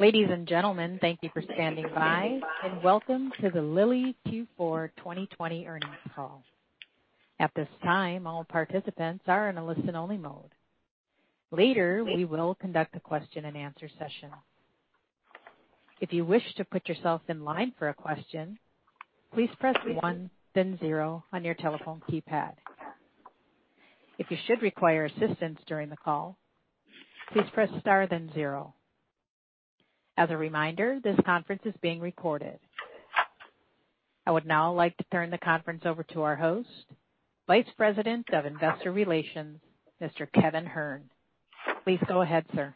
Ladies and gentlemen, thank you for standing by, and welcome to the Lilly Q4 2020 Earnings Call. At this time, all participants are in a listen-only mode. Later, we will conduct a question and answer session. If you wish to put yourself in line for a question, please press one then zero on your telephone keypad. If you should require assistance during the call, please press star then zero. As a reminder, this conference is being recorded. I would now like to turn the conference over to our host, Vice President of Investor Relations, Mr. Kevin Hern. Please go ahead, sir.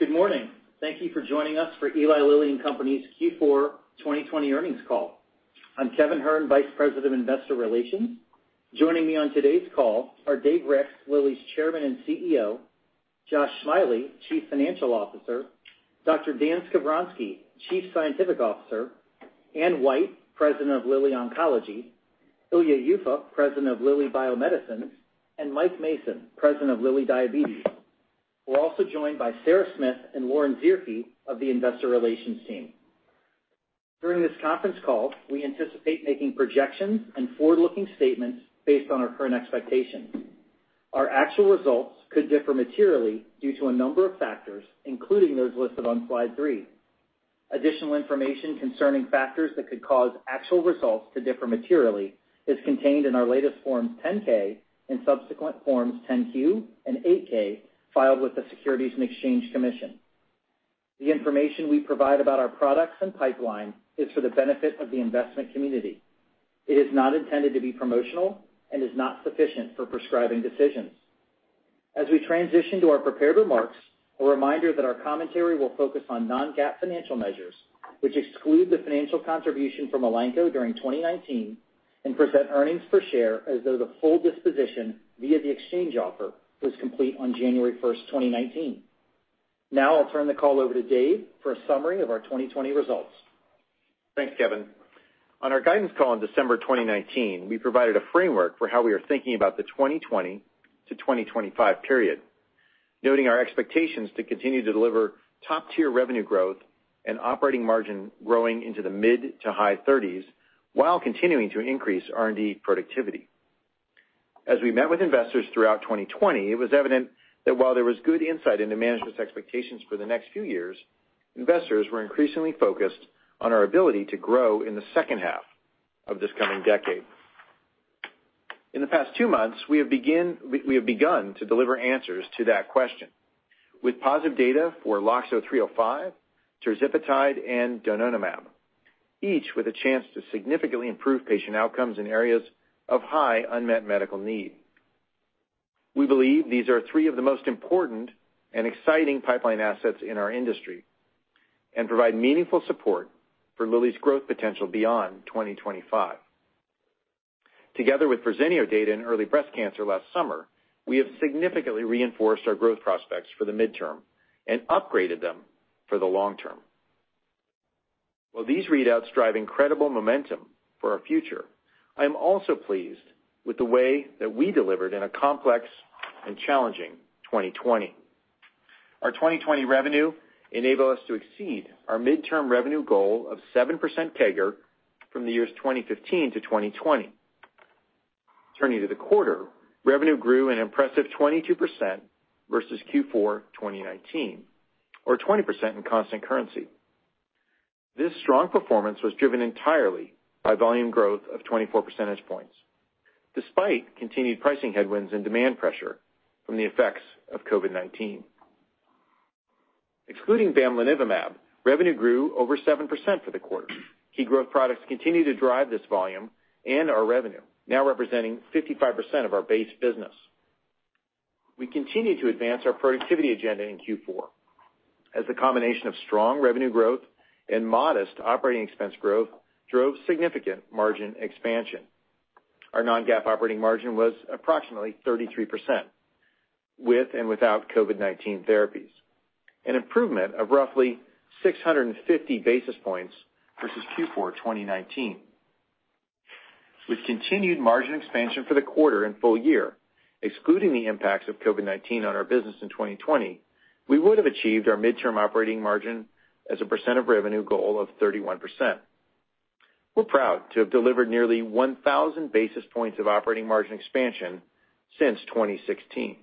Good morning. Thank you for joining us for Eli Lilly and Company's Q4 2020 earnings call. I'm Kevin Hern, Vice President, Investor Relations. Joining me on today's call are Dave Ricks, Lilly's Chairman and CEO, Josh Smiley, Chief Financial Officer, Dr. Dan Skovronsky, Chief Scientific Officer, Anne White, President of Lilly Oncology, Ilya Yuffa, President of Lilly Bio-Medicines, and Mike Mason, President of Lilly Diabetes. We're also joined by Sarah Smith and Lauren Zierke of the investor relations team. During this conference call, we anticipate making projections and forward-looking statements based on our current expectations. Our actual results could differ materially due to a number of factors, including those listed on slide three. Additional information concerning factors that could cause actual results to differ materially is contained in our latest Forms 10-K and subsequent Forms 10-Q and 8-K filed with the Securities and Exchange Commission. The information we provide about our products and pipeline is for the benefit of the investment community. It is not intended to be promotional and is not sufficient for prescribing decisions. As we transition to our prepared remarks, a reminder that our commentary will focus on non-GAAP financial measures, which exclude the financial contribution from Elanco during 2019, and present earnings per share as though the full disposition via the exchange offer was complete on January 1st, 2019. Now I'll turn the call over to Dave for a summary of our 2020 results. Thanks, Kevin. On our guidance call in December 2019, we provided a framework for how we are thinking about the 2020-2025 period, noting our expectations to continue to deliver top-tier revenue growth and operating margin growing into the mid to high 30%s while continuing to increase R&D productivity. As we met with investors throughout 2020, it was evident that while there was good insight into management's expectations for the next few years, investors were increasingly focused on our ability to grow in the second half of this coming decade. In the past two months, we have begun to deliver answers to that question with positive data for LOXO-305, tirzepatide, and donanemab, each with a chance to significantly improve patient outcomes in areas of high unmet medical need. We believe these are three of the most important and exciting pipeline assets in our industry and provide meaningful support for Lilly's growth potential beyond 2025. Together with Verzenio data in early breast cancer last summer, we have significantly reinforced our growth prospects for the midterm and upgraded them for the long term. While these readouts drive incredible momentum for our future, I'm also pleased with the way that we delivered in a complex and challenging 2020. Our 2020 revenue enabled us to exceed our midterm revenue goal of 7% CAGR from the years 2015-2020. Turning to the quarter, revenue grew an impressive 22% versus Q4 2019, or 20% in constant currency. This strong performance was driven entirely by volume growth of 24 percentage points, despite continued pricing headwinds and demand pressure from the effects of COVID-19. Excluding bamlanivimab, revenue grew over 7% for the quarter. Key growth products continue to drive this volume and our revenue, now representing 55% of our base business. We continue to advance our productivity agenda in Q4 as a combination of strong revenue growth and modest operating expense growth drove significant margin expansion. Our non-GAAP operating margin was approximately 33% with and without COVID-19 therapies, an improvement of roughly 650 basis points versus Q4 2019. With continued margin expansion for the quarter and full year, excluding the impacts of COVID-19 on our business in 2020, we would have achieved our midterm operating margin as a percent of revenue goal of 31%. We're proud to have delivered nearly 1,000 basis points of operating margin expansion since 2016.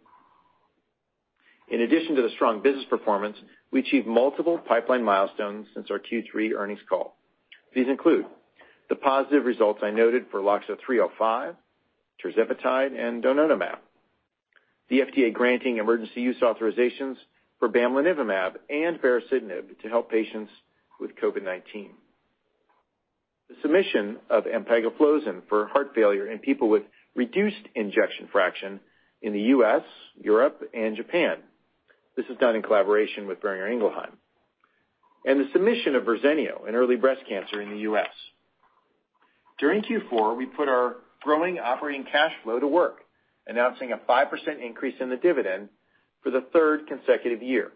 In addition to the strong business performance, we achieved multiple pipeline milestones since our Q3 earnings call. These include the positive results I noted for LOXO-305, tirzepatide, and donanemab, the FDA granting emergency use authorizations for bamlanivimab and baricitinib to help patients with COVID-19. The submission of empagliflozin for heart failure in people with reduced ejection fraction in the U.S., Europe, and Japan. This is done in collaboration with Boehringer Ingelheim. The submission of Verzenio in early breast cancer in the U.S.. During Q4, we put our growing operating cash flow to work, announcing a 5% increase in the dividend for the third consecutive year,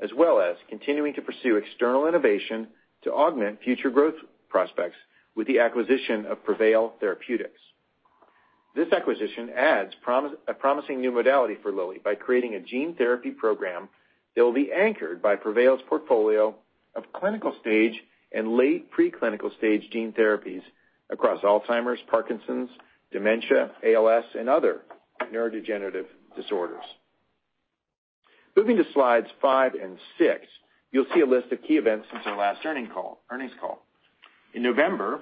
as well as continuing to pursue external innovation to augment future growth prospects with the acquisition of Prevail Therapeutics. This acquisition adds a promising new modality for Lilly by creating a gene therapy program that will be anchored by Prevail's portfolio of clinical stage and late preclinical stage gene therapies across Alzheimer's, Parkinson's, dementia, ALS, and other neurodegenerative disorders. Moving to slides five and six, you'll see a list of key events since our last earnings call. In November,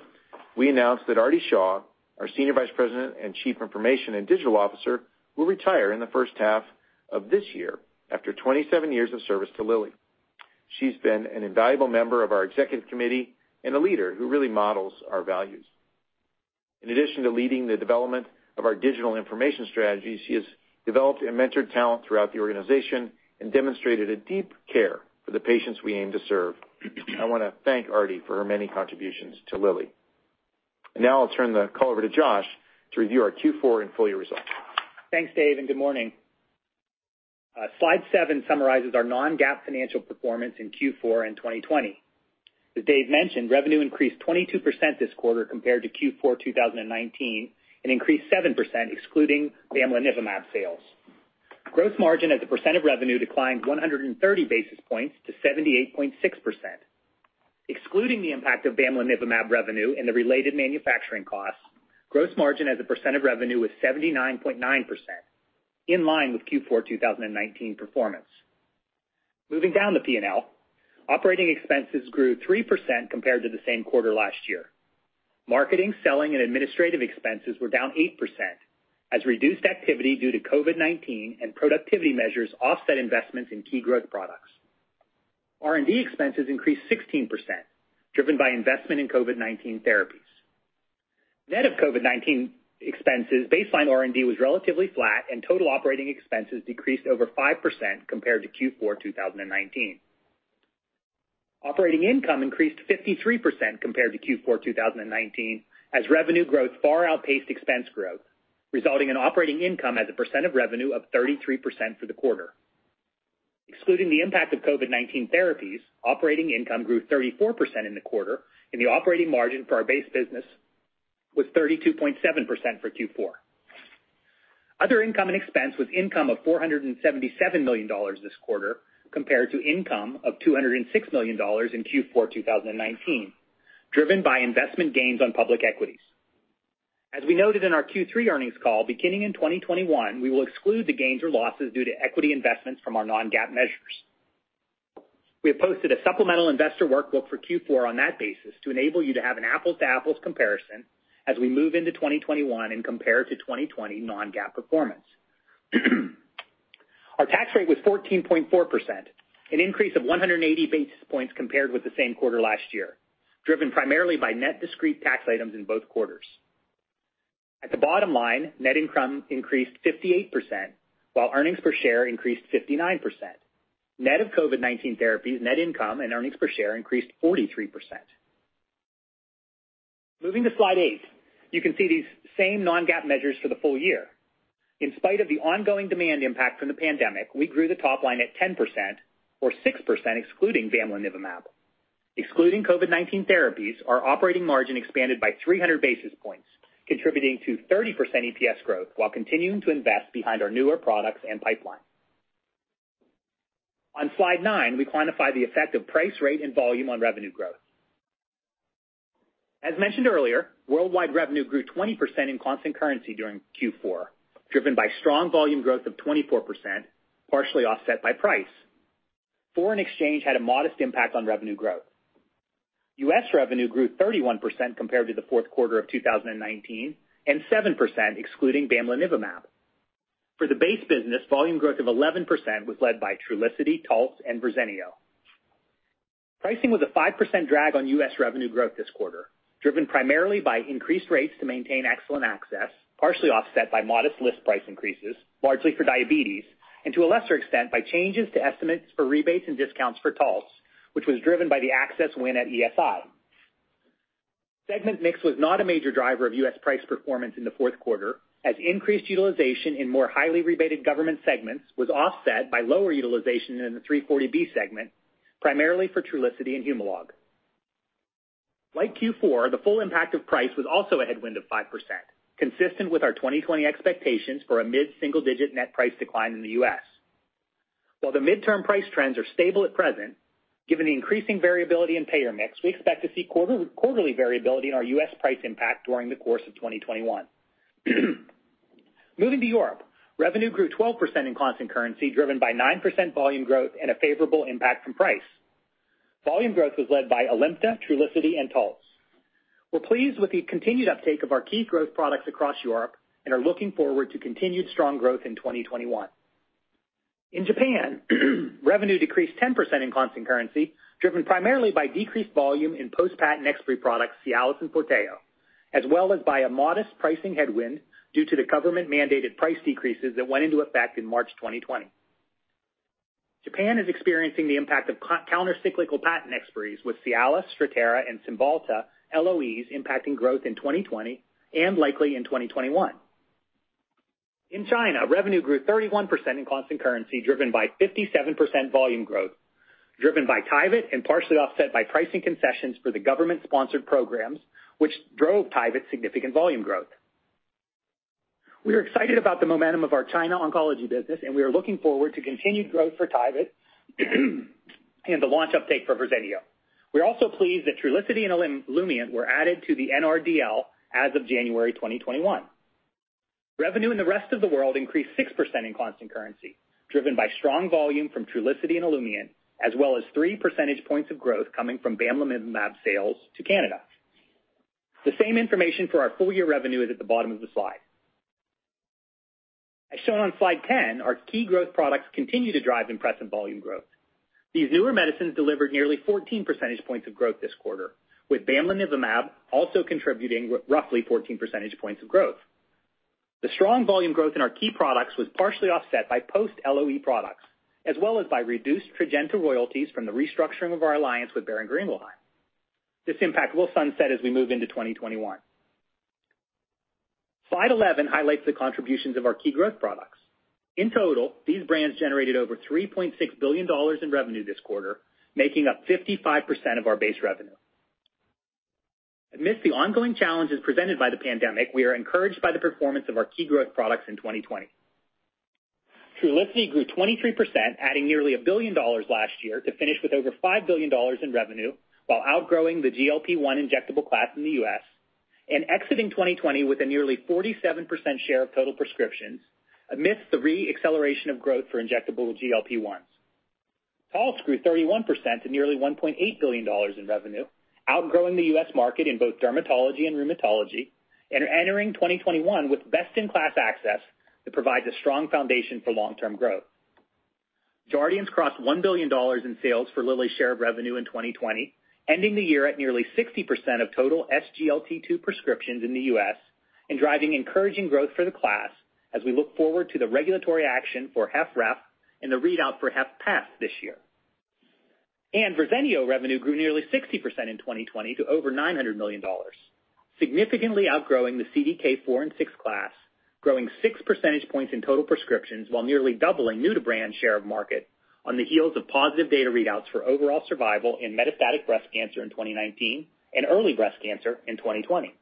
we announced that Aarti Shah, our Senior Vice President and Chief Information and Digital Officer, will retire in the first half of this year after 27 years of service to Lilly. She's been an invaluable member of our Executive Committee and a leader who really models our values. In addition to leading the development of our digital information strategy, she has developed and mentored talent throughout the organization and demonstrated a deep care for the patients we aim to serve. I want to thank Arti for her many contributions to Lilly. I'll turn the call over to Josh to review our Q4 and full year results. Thanks, Dave. Good morning. Slide seven summarizes our non-GAAP financial performance in Q4 and 2020. As Dave mentioned, revenue increased 22% this quarter compared to Q4 2019, and increased 7% excluding bamlanivimab sales. Gross margin as a percent of revenue declined 130 basis points to 78.6%. Excluding the impact of bamlanivimab revenue and the related manufacturing costs, gross margin as a percent of revenue was 79.9%, in line with Q4 2019 performance. Moving down the P&L, operating expenses grew 3% compared to the same quarter last year. Marketing, selling, and administrative expenses were down 8%, as reduced activity due to COVID-19 and productivity measures offset investments in key growth products. R&D expenses increased 16%, driven by investment in COVID-19 therapies. Net of COVID-19 expenses, baseline R&D was relatively flat, and total operating expenses decreased over 5% compared to Q4 2019. Operating income increased 53% compared to Q4 2019, as revenue growth far outpaced expense growth, resulting in operating income as a percent of revenue of 33% for the quarter. Excluding the impact of COVID-19 therapies, operating income grew 34% in the quarter, and the operating margin for our base business was 32.7% for Q4. Other income and expense was income of $477 million this quarter, compared to income of $206 million in Q4 2019, driven by investment gains on public equities. As we noted in our Q3 earnings call, beginning in 2021, we will exclude the gains or losses due to equity investments from our non-GAAP measures. We have posted a supplemental investor workbook for Q4 on that basis to enable you to have an apples to apples comparison as we move into 2021 and compare to 2020 non-GAAP performance. Our tax rate was 14.4%, an increase of 180 basis points compared with the same quarter last year, driven primarily by net discrete tax items in both quarters. At the bottom line, net income increased 58%, while earnings per share increased 59%. Net of COVID-19 therapies, net income and earnings per share increased 43%. Moving to slide eight, you can see these same non-GAAP measures for the full year. In spite of the ongoing demand impact from the pandemic, we grew the top line at 10%, or 6% excluding bamlanivimab. Excluding COVID-19 therapies, our operating margin expanded by 300 basis points, contributing to 30% EPS growth while continuing to invest behind our newer products and pipeline. On slide nine, we quantify the effect of price, rate, and volume on revenue growth. As mentioned earlier, worldwide revenue grew 20% in constant currency during Q4, driven by strong volume growth of 24%, partially offset by price. Foreign exchange had a modest impact on revenue growth. U.S. revenue grew 31% compared to the fourth quarter of 2019, and 7% excluding bamlanivimab. For the base business, volume growth of 11% was led by Trulicity, Taltz, and Verzenio. Pricing was a 5% drag on U.S. revenue growth this quarter, driven primarily by increased rates to maintain excellent access, partially offset by modest list price increases, largely for diabetes, and to a lesser extent, by changes to estimates for rebates and discounts for Taltz, which was driven by the access win at ESI. Segment mix was not a major driver of U.S. price performance in the fourth quarter, as increased utilization in more highly rebated government segments was offset by lower utilization in the 340B segment, primarily for Trulicity and HUMALOG. Like Q4, the full impact of price was also a headwind of 5%, consistent with our 2020 expectations for a mid-single-digit net price decline in the U.S.. While the midterm price trends are stable at present, given the increasing variability in payer mix, we expect to see quarterly variability in our U.S. price impact during the course of 2021. Moving to Europe, revenue grew 12% in constant currency, driven by 9% volume growth and a favorable impact from price. Volume growth was led by ALIMTA, Trulicity, and Taltz. We're pleased with the continued uptake of our key growth products across Europe and are looking forward to continued strong growth in 2021. In Japan, revenue decreased 10% in constant currency, driven primarily by decreased volume in post-patent expiry products Cialis and Forteo, as well as by a modest pricing headwind due to the government-mandated price decreases that went into effect in March 2020. Japan is experiencing the impact of counter-cyclical patent expiries with Cialis, Strattera, and Cymbalta LOEs impacting growth in 2020 and likely in 2021. In China, revenue grew 31% in constant currency, driven by 57% volume growth, driven by Tyvyt and partially offset by pricing concessions for the government-sponsored programs, which drove Tyvyt's significant volume growth. We are excited about the momentum of our China oncology business, and we are looking forward to continued growth for Tyvyt and the launch update for Verzenio. We're also pleased that Trulicity and Olumiant were added to the NRDL as of January 2021. Revenue in the rest of the world increased 6% in constant currency, driven by strong volume from Trulicity and Olumiant, as well as three percentage points of growth coming from bamlanivimab sales to Canada. The same information for our full-year revenue is at the bottom of the slide. As shown on slide 10, our key growth products continue to drive impressive volume growth. These newer medicines delivered nearly 14 percentage points of growth this quarter, with bamlanivimab also contributing roughly 14 percentage points of growth. The strong volume growth in our key products was partially offset by post-LOE products, as well as by reduced Trajenta royalties from the restructuring of our alliance with Boehringer Ingelheim. This impact will sunset as we move into 2021. Slide 11 highlights the contributions of our key growth products. In total, these brands generated over $3.6 billion in revenue this quarter, making up 55% of our base revenue. Amidst the ongoing challenges presented by the pandemic, we are encouraged by the performance of our key growth products in 2020. Trulicity grew 23%, adding nearly $1 billion last year to finish with over $5 billion in revenue while outgrowing the GLP-1 injectable class in the U.S. and exiting 2020 with a nearly 47% share of total prescriptions amidst the re-acceleration of growth for injectable GLP-1s. Taltz grew 31% to nearly $1.8 billion in revenue, outgrowing the U.S. market in both dermatology and rheumatology and entering 2021 with best-in-class access that provides a strong foundation for long-term growth. Jardiance crossed $1 billion in sales for Lilly's share of revenue in 2020, ending the year at nearly 60% of total SGLT2 prescriptions in the U.S. and driving encouraging growth for the class as we look forward to the regulatory action for HFpEF and the readout for HFrEF this year. Verzenio revenue grew nearly 60% in 2020 to over $900 million, significantly outgrowing the CDK4/6 class, growing 6 percentage points in total prescriptions while nearly doubling new-to-brand share of market on the heels of positive data readouts for overall survival in metastatic breast cancer in 2019 and early breast cancer in 2020.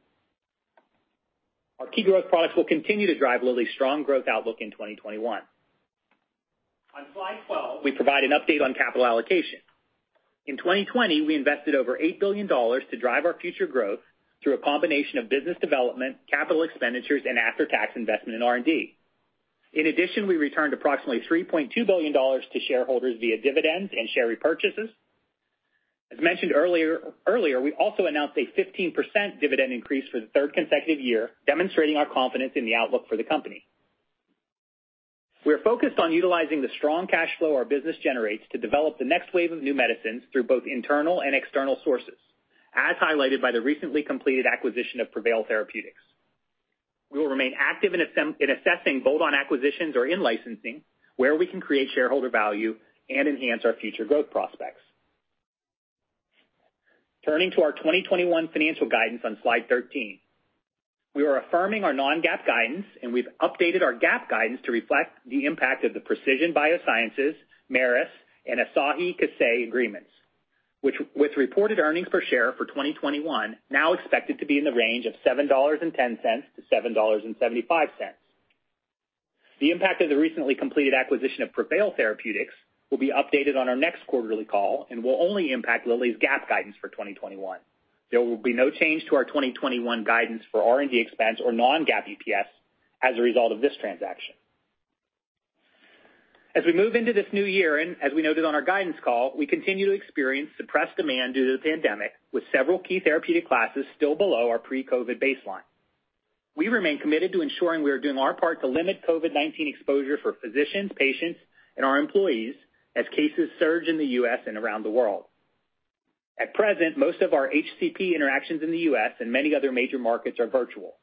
Our key growth products will continue to drive Lilly's strong growth outlook in 2021. On slide 12, we provide an update on capital allocation. In 2020, we invested over $8 billion to drive our future growth through a combination of business development, capital expenditures, and after-tax investment in R&D. In addition, we returned approximately $3.2 billion to shareholders via dividends and share repurchases. As mentioned earlier, we also announced a 15% dividend increase for the third consecutive year, demonstrating our confidence in the outlook for the company. We are focused on utilizing the strong cash flow our business generates to develop the next wave of new medicines through both internal and external sources, as highlighted by the recently completed acquisition of Prevail Therapeutics. We will remain active in assessing bolt-on acquisitions or in-licensing, where we can create shareholder value and enhance our future growth prospects. Turning to our 2021 financial guidance on Slide 13. We are affirming our non-GAAP guidance, and we've updated our GAAP guidance to reflect the impact of the Precision BioSciences, Merus, and Asahi Kasei agreements, with reported earnings per share for 2021 now expected to be in the range of $7.10-$7.75. The impact of the recently completed acquisition of Prevail Therapeutics will be updated on our next quarterly call and will only impact Lilly's GAAP guidance for 2021. There will be no change to our 2021 guidance for R&D expense or non-GAAP EPS as a result of this transaction. As we move into this new year, and as we noted on our guidance call, we continue to experience suppressed demand due to the pandemic, with several key therapeutic classes still below our pre-COVID baseline. We remain committed to ensuring we are doing our part to limit COVID-19 exposure for physicians, patients, and our employees as cases surge in the U.S. and around the world. At present, most of our HCP interactions in the U.S. and many other major markets are virtual.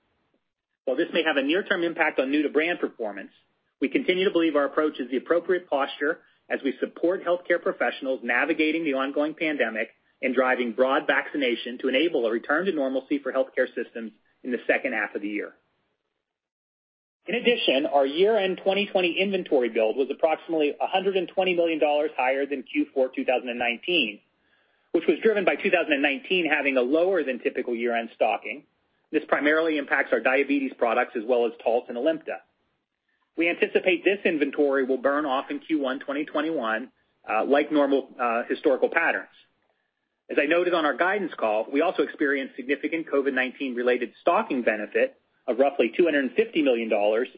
While this may have a near-term impact on new-to-brand performance, we continue to believe our approach is the appropriate posture as we support healthcare professionals navigating the ongoing pandemic and driving broad vaccination to enable a return to normalcy for healthcare systems in the second half of the year. Our year-end 2020 inventory build was approximately $120 million higher than Q4 2019, which was driven by 2019 having a lower than typical year-end stocking. This primarily impacts our diabetes products as well as Taltz and ALIMTA. We anticipate this inventory will burn off in Q1 2021 like normal historical patterns. As I noted on our guidance call, we also experienced significant COVID-19 related stocking benefit of roughly $250 million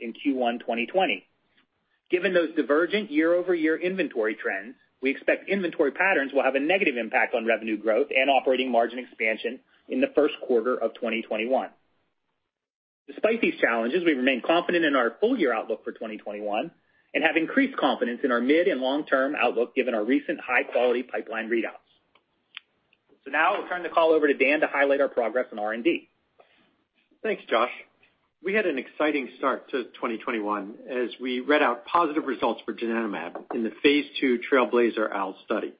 in Q1 2020. Given those divergent year-over-year inventory trends, we expect inventory patterns will have a negative impact on revenue growth and operating margin expansion in the first quarter of 2021. Despite these challenges, we remain confident in our full-year outlook for 2021 and have increased confidence in our mid and long-term outlook given our recent high-quality pipeline readouts. Now I'll turn the call over to Dan to highlight our progress on R&D. Thanks, Josh. We had an exciting start to 2021 as we read out positive results for donanemab in the phase II TRAILBLAZER-ALZ study.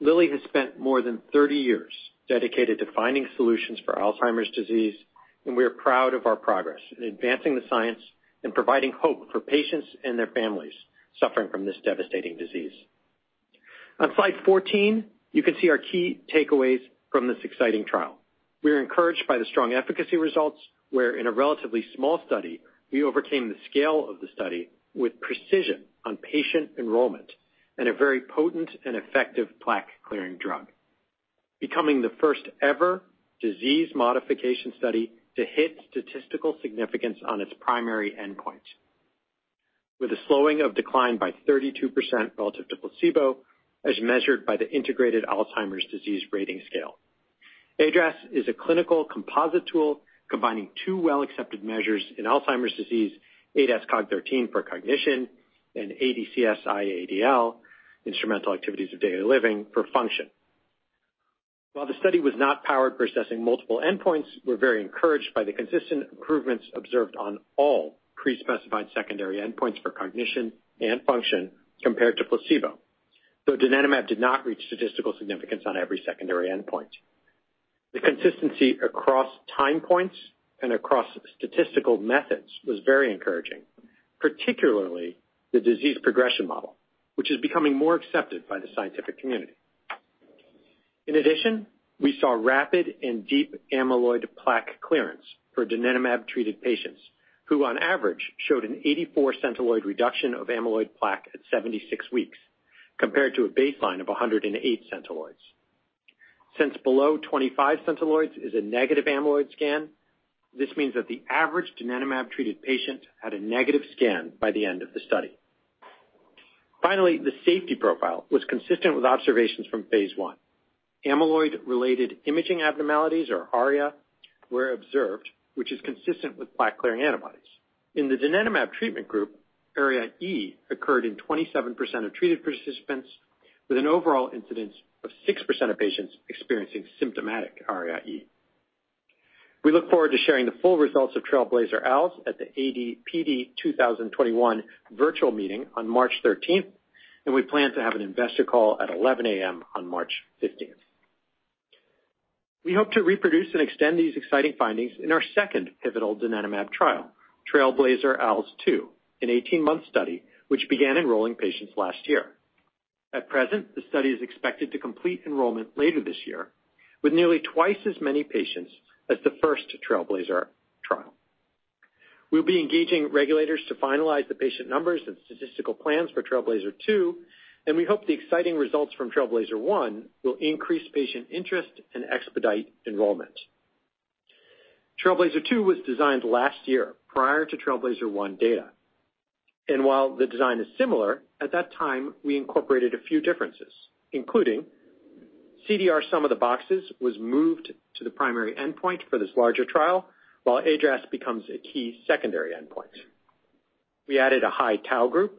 Lilly has spent more than 30 years dedicated to finding solutions for Alzheimer's disease, and we are proud of our progress in advancing the science and providing hope for patients and their families suffering from this devastating disease. On slide 14, you can see our key takeaways from this exciting trial. We are encouraged by the strong efficacy results, where in a relatively small study, we overcame the scale of the study with precision on patient enrollment and a very potent and effective plaque-clearing drug, becoming the first ever disease modification study to hit statistical significance on its primary endpoint. With a slowing of decline by 32% relative to placebo as measured by the Integrated Alzheimer's Disease Rating Scale. iADRS is a clinical composite tool combining two well-accepted measures in Alzheimer's disease, ADAS-Cog 13 for cognition and ADCS-iADL, instrumental activities of daily living, for function. While the study was not powered for assessing multiple endpoints, we're very encouraged by the consistent improvements observed on all pre-specified secondary endpoints for cognition and function compared to placebo. Donanemab did not reach statistical significance on every secondary endpoint. The consistency across time points and across statistical methods was very encouraging, particularly the disease progression model, which is becoming more accepted by the scientific community. In addition, we saw rapid and deep amyloid plaque clearance for donanemab-treated patients, who on average showed an 84 centiloid reduction of amyloid plaque at 76 weeks, compared to a baseline of 108 centiloids. Since below 25 Centiloid is a negative amyloid scan, this means that the average donanemab-treated patient had a negative scan by the end of the study. Finally, the safety profile was consistent with observations from phase I. Amyloid-related imaging abnormalities, or ARIA, were observed, which is consistent with plaque-clearing antibodies. In the donanemab treatment group, ARIA-E occurred in 27% of treated participants with an overall incidence of 6% of patients experiencing symptomatic ARIA-E. We look forward to sharing the full results of TRAILBLAZER-ALZ at the AD/PD 2021 virtual meeting on March 13th, and we plan to have an investor call at 11:00 A.M. on March 15th. We hope to reproduce and extend these exciting findings in our second pivotal donanemab trial, TRAILBLAZER-ALZ 2, an 18-month study, which began enrolling patients last year. At present, the study is expected to complete enrollment later this year with nearly twice as many patients as the first TRAILBLAZER trial. We'll be engaging regulators to finalize the patient numbers and statistical plans for TRAILBLAZER 2. We hope the exciting results from TRAILBLAZER 1 will increase patient interest and expedite enrollment. TRAILBLAZER 2 was designed last year prior to TRAILBLAZER 1 data. While the design is similar, at that time, we incorporated a few differences, including CDR sum of the boxes was moved to the primary endpoint for this larger trial, while iADRS becomes a key secondary endpoint. We added a high tau group.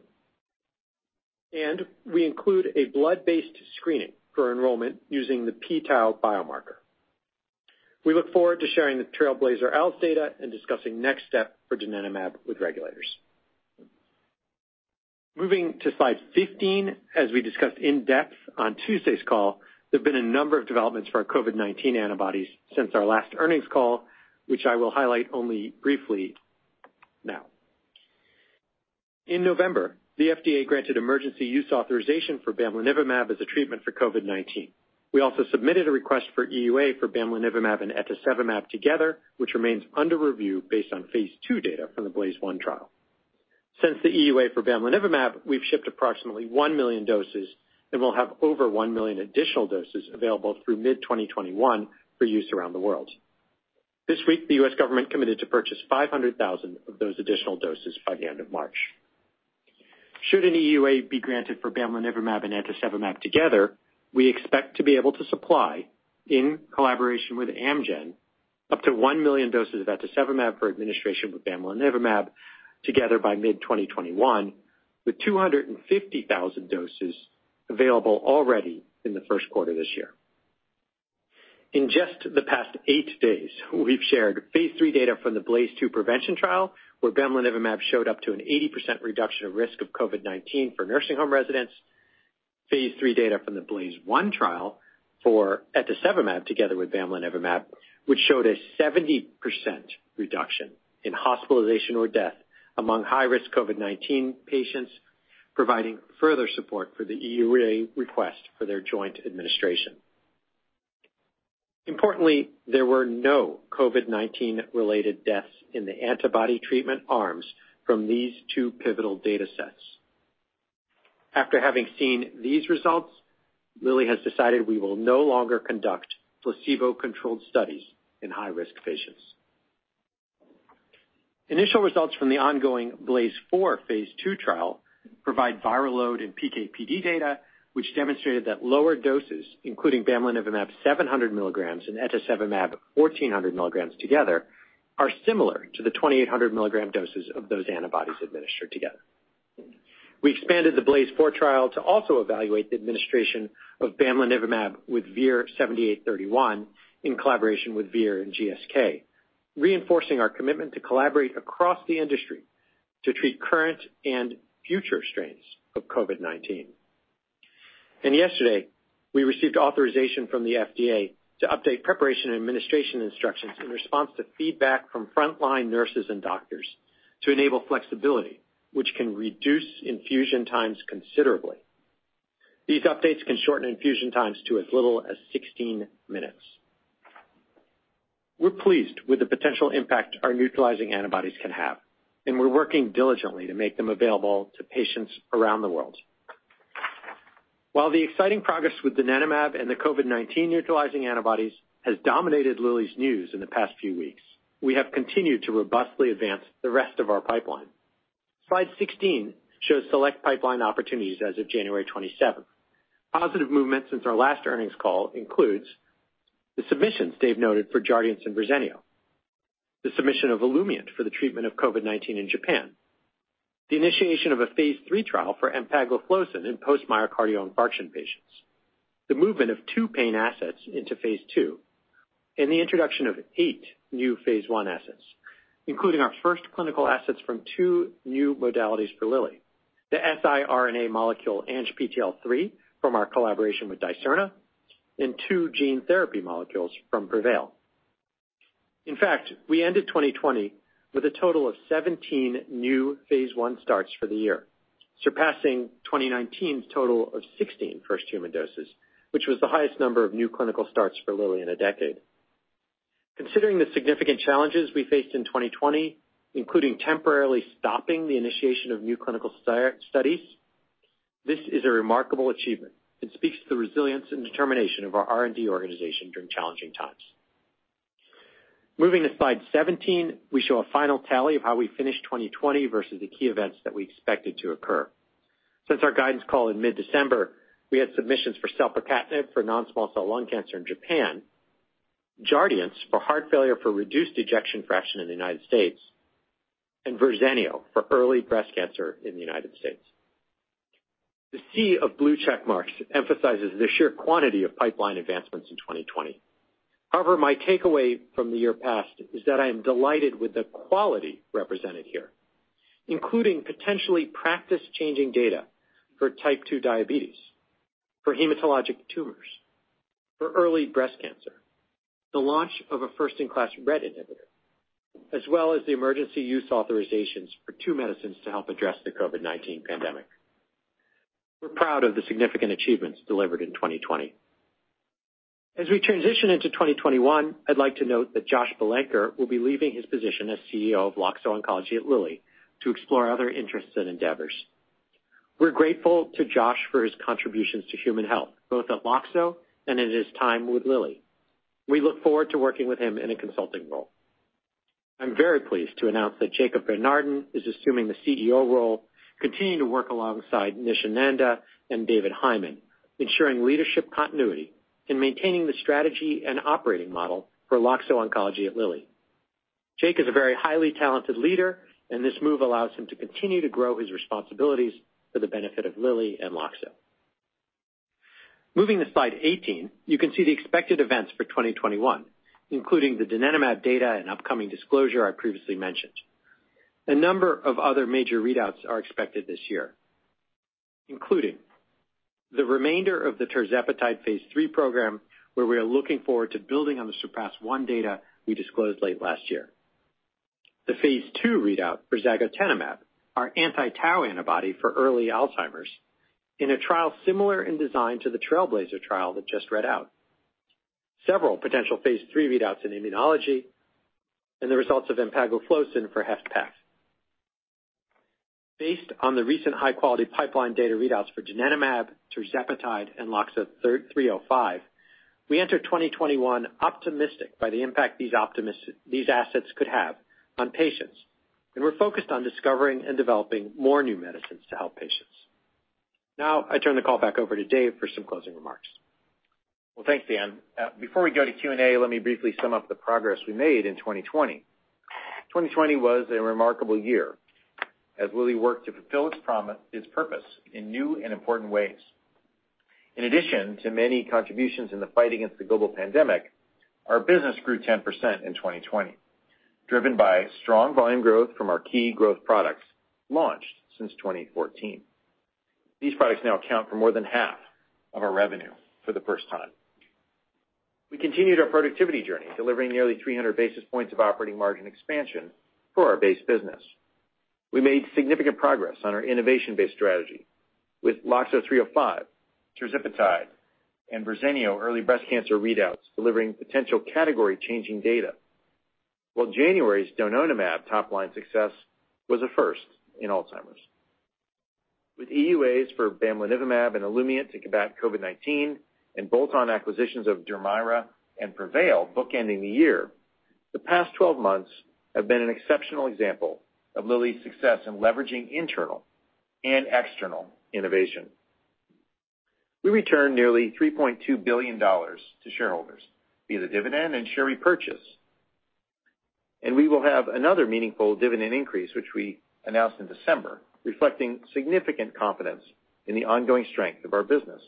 We include a blood-based screening for enrollment using the p-tau biomarker. We look forward to sharing the TRAILBLAZER-ALZ data and discussing next step for donanemab with regulators. Moving to slide 15, as we discussed in depth on Tuesday's call, there've been a number of developments for our COVID-19 antibodies since our last earnings call, which I will highlight only briefly now. In November, the FDA granted emergency use authorization for bamlanivimab as a treatment for COVID-19. We also submitted a request for EUA for bamlanivimab and etesevimab together, which remains under review based on phase II data from the BLAZE-1 trial. Since the EUA for bamlanivimab, we've shipped approximately one million doses and will have over one million additional doses available through mid 2021 for use around the world. This week, the U.S. government committed to purchase 500,000 of those additional doses by the end of March. Should an EUA be granted for bamlanivimab and etesevimab together, we expect to be able to supply, in collaboration with Amgen, up to one million doses of etesevimab for administration with bamlanivimab together by mid 2021 with 250,000 doses available already in the first quarter of this year. In just the past eight days, we've shared phase III data from the BLAZE-2 prevention trial, where bamlanivimab showed up to an 80% reduction of risk of COVID-19 for nursing home residents, phase III data from the BLAZE-1 trial for etesevimab together with bamlanivimab, which showed a 70% reduction in hospitalization or death among high-risk COVID-19 patients, providing further support for the EUA request for their joint administration. Importantly, there were no COVID-19 related deaths in the antibody treatment arms from these two pivotal data sets. After having seen these results, Lilly has decided we will no longer conduct placebo-controlled studies in high-risk patients. Initial results from the ongoing BLAZE-4 phase II trial provide viral load and PK/PD data, which demonstrated that lower doses, including bamlanivimab 700 mg and etesevimab 1,400 mg together are similar to the 2,800 mg doses of those antibodies administered together. We expanded the BLAZE-4 trial to also evaluate the administration of bamlanivimab with VIR-7831 in collaboration with Vir and GSK, reinforcing our commitment to collaborate across the industry to treat current and future strains of COVID-19. Yesterday, we received authorization from the FDA to update preparation and administration instructions in response to feedback from frontline nurses and doctors to enable flexibility, which can reduce infusion times considerably. These updates can shorten infusion times to as little as 16 minutes. We're pleased with the potential impact our neutralizing antibodies can have, and we're working diligently to make them available to patients around the world. While the exciting progress with donanemab and the COVID-19 neutralizing antibodies has dominated Lilly's news in the past few weeks, we have continued to robustly advance the rest of our pipeline. Slide 16 shows select pipeline opportunities as of January 27. Positive movement since our last earnings call includes the submissions Dave noted for Jardiance and Verzenio, the submission of Olumiant for the treatment of COVID-19 in Japan, the initiation of a phase III trial for empagliflozin in post myocardial infarction patients, the movement of two pain assets into phase II, and the introduction of eight new phase I assets, including our first clinical assets from two new modalities for Lilly, the siRNA molecule ANGPTL3 from our collaboration with Dicerna, and two gene therapy molecules from Prevail. In fact, we ended 2020 with a total of 17 new phase I starts for the year, surpassing 2019's total of 16 first human doses, which was the highest number of new clinical starts for Lilly in a decade. Considering the significant challenges we faced in 2020, including temporarily stopping the initiation of new clinical studies, this is a remarkable achievement and speaks to the resilience and determination of our R&D organization during challenging times. Moving to slide 17, we show a final tally of how we finished 2020 versus the key events that we expected to occur. Since our guidance call in mid-December, we had submissions for selpercatinib for non-small cell lung cancer in Japan, JARDIANCE for heart failure for reduced ejection fraction in the United States, and Verzenio for early breast cancer in the United States. The sea of blue check marks emphasizes the sheer quantity of pipeline advancements in 2020. However, my takeaway from the year past is that I am delighted with the quality represented here, including potentially practice-changing data for type 2 diabetes, for hematologic tumors, for early breast cancer, the launch of a first-in-class RET inhibitor, as well as the emergency use authorizations for two medicines to help address the COVID-19 pandemic. We're proud of the significant achievements delivered in 2020. As we transition into 2021, I'd like to note that Josh Bilenker will be leaving his position as CEO of Loxo Oncology at Lilly to explore other interests and endeavors. We're grateful to Josh for his contributions to human health, both at Loxo and in his time with Lilly. We look forward to working with him in a consulting role. I'm very pleased to announce that Jacob Van Naarden is assuming the CEO role, continuing to work alongside Nisha Nanda and David Hyman, ensuring leadership continuity and maintaining the strategy and operating model for Loxo Oncology at Lilly. Jake is a very highly talented leader. This move allows him to continue to grow his responsibilities for the benefit of Lilly and Loxo. Moving to slide 18, you can see the expected events for 2021, including the donanemab data and upcoming disclosure I previously mentioned. A number of other major readouts are expected this year, including the remainder of the tirzepatide phase III program, where we are looking forward to building on the SURPASS-1 data we disclosed late last year. The phase II readout for zagotenemab, our anti-tau antibody for early Alzheimer's, in a trial similar in design to the Trailblazer trial that just read out. Several potential phase III readouts in immunology and the results of empagliflozin for HFpEF. Based on the recent high-quality pipeline data readouts for Donanemab, tirzepatide, and LOXO-305, we enter 2021 optimistic by the impact these assets could have on patients, and we're focused on discovering and developing more new medicines to help patients. Now I turn the call back over to Dave for some closing remarks. Well, thanks, Dan. Before we go to Q&A, let me briefly sum up the progress we made in 2020. 2020 was a remarkable year as Lilly worked to fulfill its purpose in new and important ways. In addition to many contributions in the fight against the global pandemic, our business grew 10% in 2020, driven by strong volume growth from our key growth products launched since 2014. These products now account for more than half of our revenue for the first time. We continued our productivity journey, delivering nearly 300 basis points of operating margin expansion for our base business. We made significant progress on our innovation-based strategy with LOXO-305, tirzepatide, and Verzenio early breast cancer readouts delivering potential category-changing data, while January's donanemab top-line success was a first in Alzheimer's. With EUAs for bamlanivimab and Olumiant to combat COVID-19, and bolt-on acquisitions of Dermira and Prevail bookending the year, the past 12 months have been an exceptional example of Lilly's success in leveraging internal and external innovation. We returned nearly $3.2 billion to shareholders via the dividend and share repurchase, and we will have another meaningful dividend increase, which we announced in December, reflecting significant confidence in the ongoing strength of our business.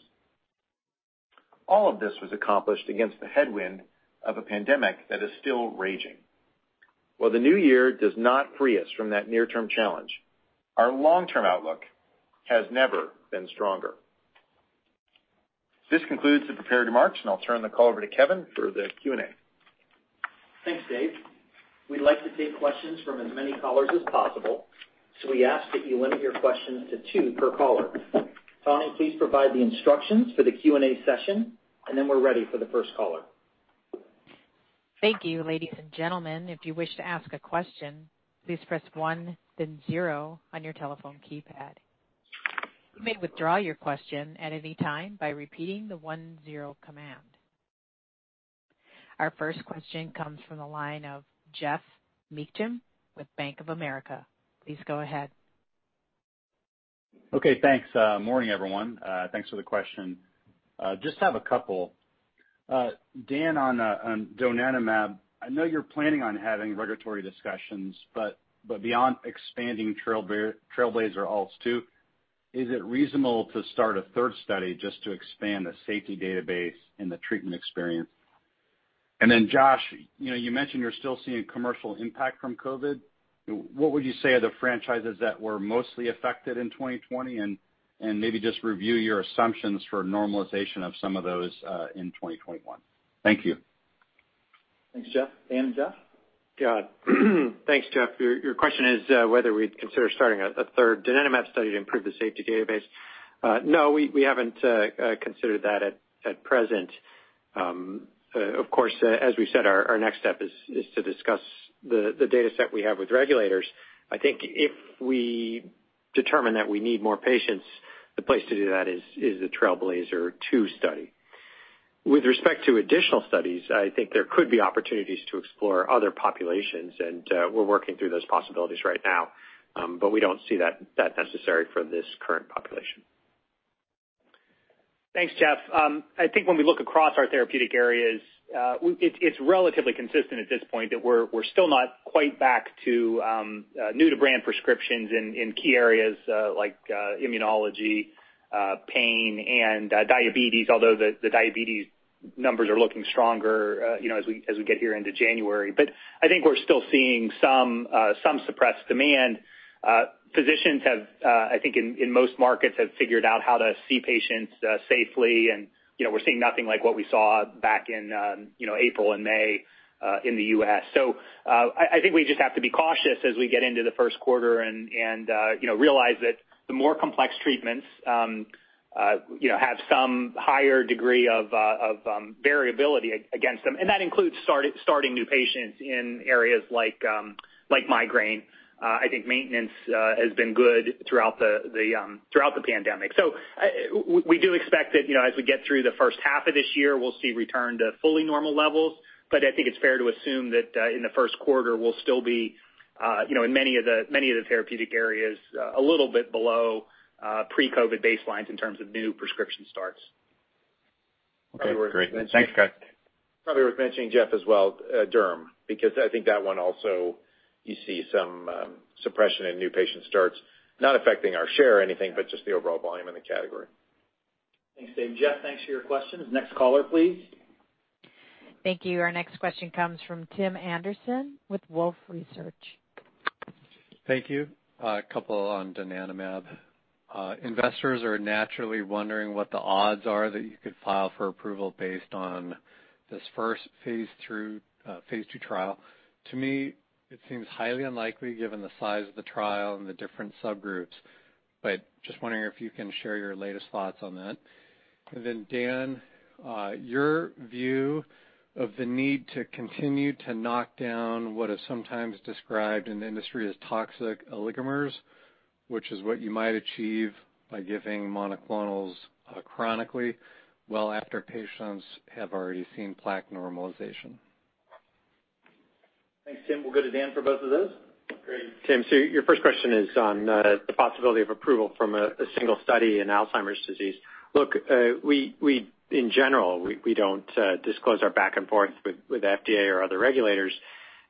All of this was accomplished against the headwind of a pandemic that is still raging. While the new year does not free us from that near-term challenge, our long-term outlook has never been stronger. This concludes the prepared remarks, and I'll turn the call over to Kevin for the Q&A. Thanks, Dave. We'd like to take questions from as many callers as possible, so we ask that you limit your questions to two per caller. Tony, please provide the instructions for the Q&A session, and then we're ready for the first caller. Thank you, ladies and gentlemen. If you wish to ask a question, please press one then zero on your telephone keypad. You may withdraw your question at any time by repeating the one-zero command. Our first question comes from the line of Geoff Meacham with Bank of America. Please go ahead. Okay, thanks. Morning, everyone. Thanks for the question. Just have a couple. Dan, on donanemab, I know you're planning on having regulatory discussions, but beyond expanding TRAILBLAZER-ALZ 2, is it reasonable to start a third study just to expand the safety database and the treatment experience? Josh, you mentioned you're still seeing commercial impact from COVID. What would you say are the franchises that were mostly affected in 2020? Maybe just review your assumptions for normalization of some of those in 2021. Thank you. Thanks, Geoff. Dan and Geoff? Thanks, Geoff. Your question is whether we'd consider starting a third donanemab study to improve the safety database. We haven't considered that at present. As we've said, our next step is to discuss the dataset we have with regulators. I think if we determine that we need more patients, the place to do that is the TRAILBLAZER-ALZ 2 study. With respect to additional studies, I think there could be opportunities to explore other populations. We're working through those possibilities right now. We don't see that necessary for this current population. Thanks, Geoff. I think when we look across our therapeutic areas, it's relatively consistent at this point that we're still not quite back to new-to-brand prescriptions in key areas like immunology, pain, and diabetes, although the diabetes numbers are looking stronger as we get here into January. I think we're still seeing some suppressed demand. Physicians have, I think, in most markets, have figured out how to see patients safely, and we're seeing nothing like what we saw back in April and May in the U.S.. I think we just have to be cautious as we get into the first quarter and realize that the more complex treatments have some higher degree of variability against them, and that includes starting new patients in areas like migraine. I think maintenance has been good throughout the pandemic. We do expect that as we get through the first half of this year, we'll see return to fully normal levels. I think it's fair to assume that in the first quarter we'll still be, in many of the therapeutic areas, a little bit below pre-COVID baselines in terms of new prescription starts. Okay, great. Thanks, guys. Probably worth mentioning, Geoff, as well, derm, because I think that one also you see some suppression in new patient starts, not affecting our share or anything, but just the overall volume in the category. Thanks, Dave. Geoff, thanks for your questions. Next caller, please. Thank you. Our next question comes from Tim Anderson with Wolfe Research. Thank you. A couple on donanemab. Investors are naturally wondering what the odds are that you could file for approval based on this first phase II trial. To me, it seems highly unlikely given the size of the trial and the different subgroups, just wondering if you can share your latest thoughts on that. Dan, your view of the need to continue to knock down what is sometimes described in the industry as toxic oligomers, which is what you might achieve by giving monoclonals chronically well after patients have already seen plaque normalization. Thanks, Tim. We'll go to Dan for both of those. Great. Tim, your first question is on the possibility of approval from a single study in Alzheimer's disease. Look, in general, we don't disclose our back and forth with FDA or other regulators.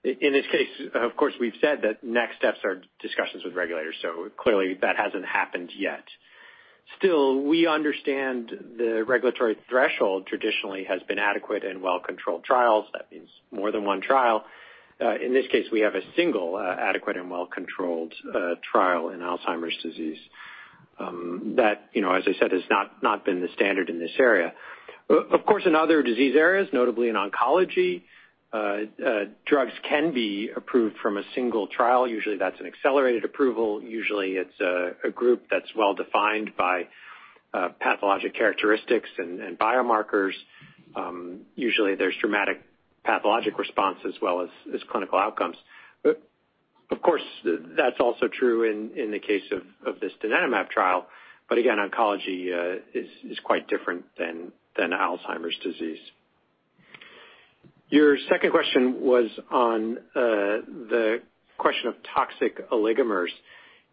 In this case, of course, we've said that next steps are discussions with regulators, clearly that hasn't happened yet. Still, we understand the regulatory threshold traditionally has been adequate in well-controlled trials. That means more than one trial. In this case, we have a single adequate and well-controlled trial in Alzheimer's disease. That, as I said, has not been the standard in this area. Of course, in other disease areas, notably in oncology, drugs can be approved from a single trial. Usually, that's an accelerated approval. Usually, it's a group that's well-defined by pathologic characteristics and biomarkers. Usually, there's dramatic pathologic response as well as clinical outcomes. Of course, that's also true in the case of this donanemab trial. Again, oncology is quite different than Alzheimer's disease. Your second question was on the question of toxic oligomers.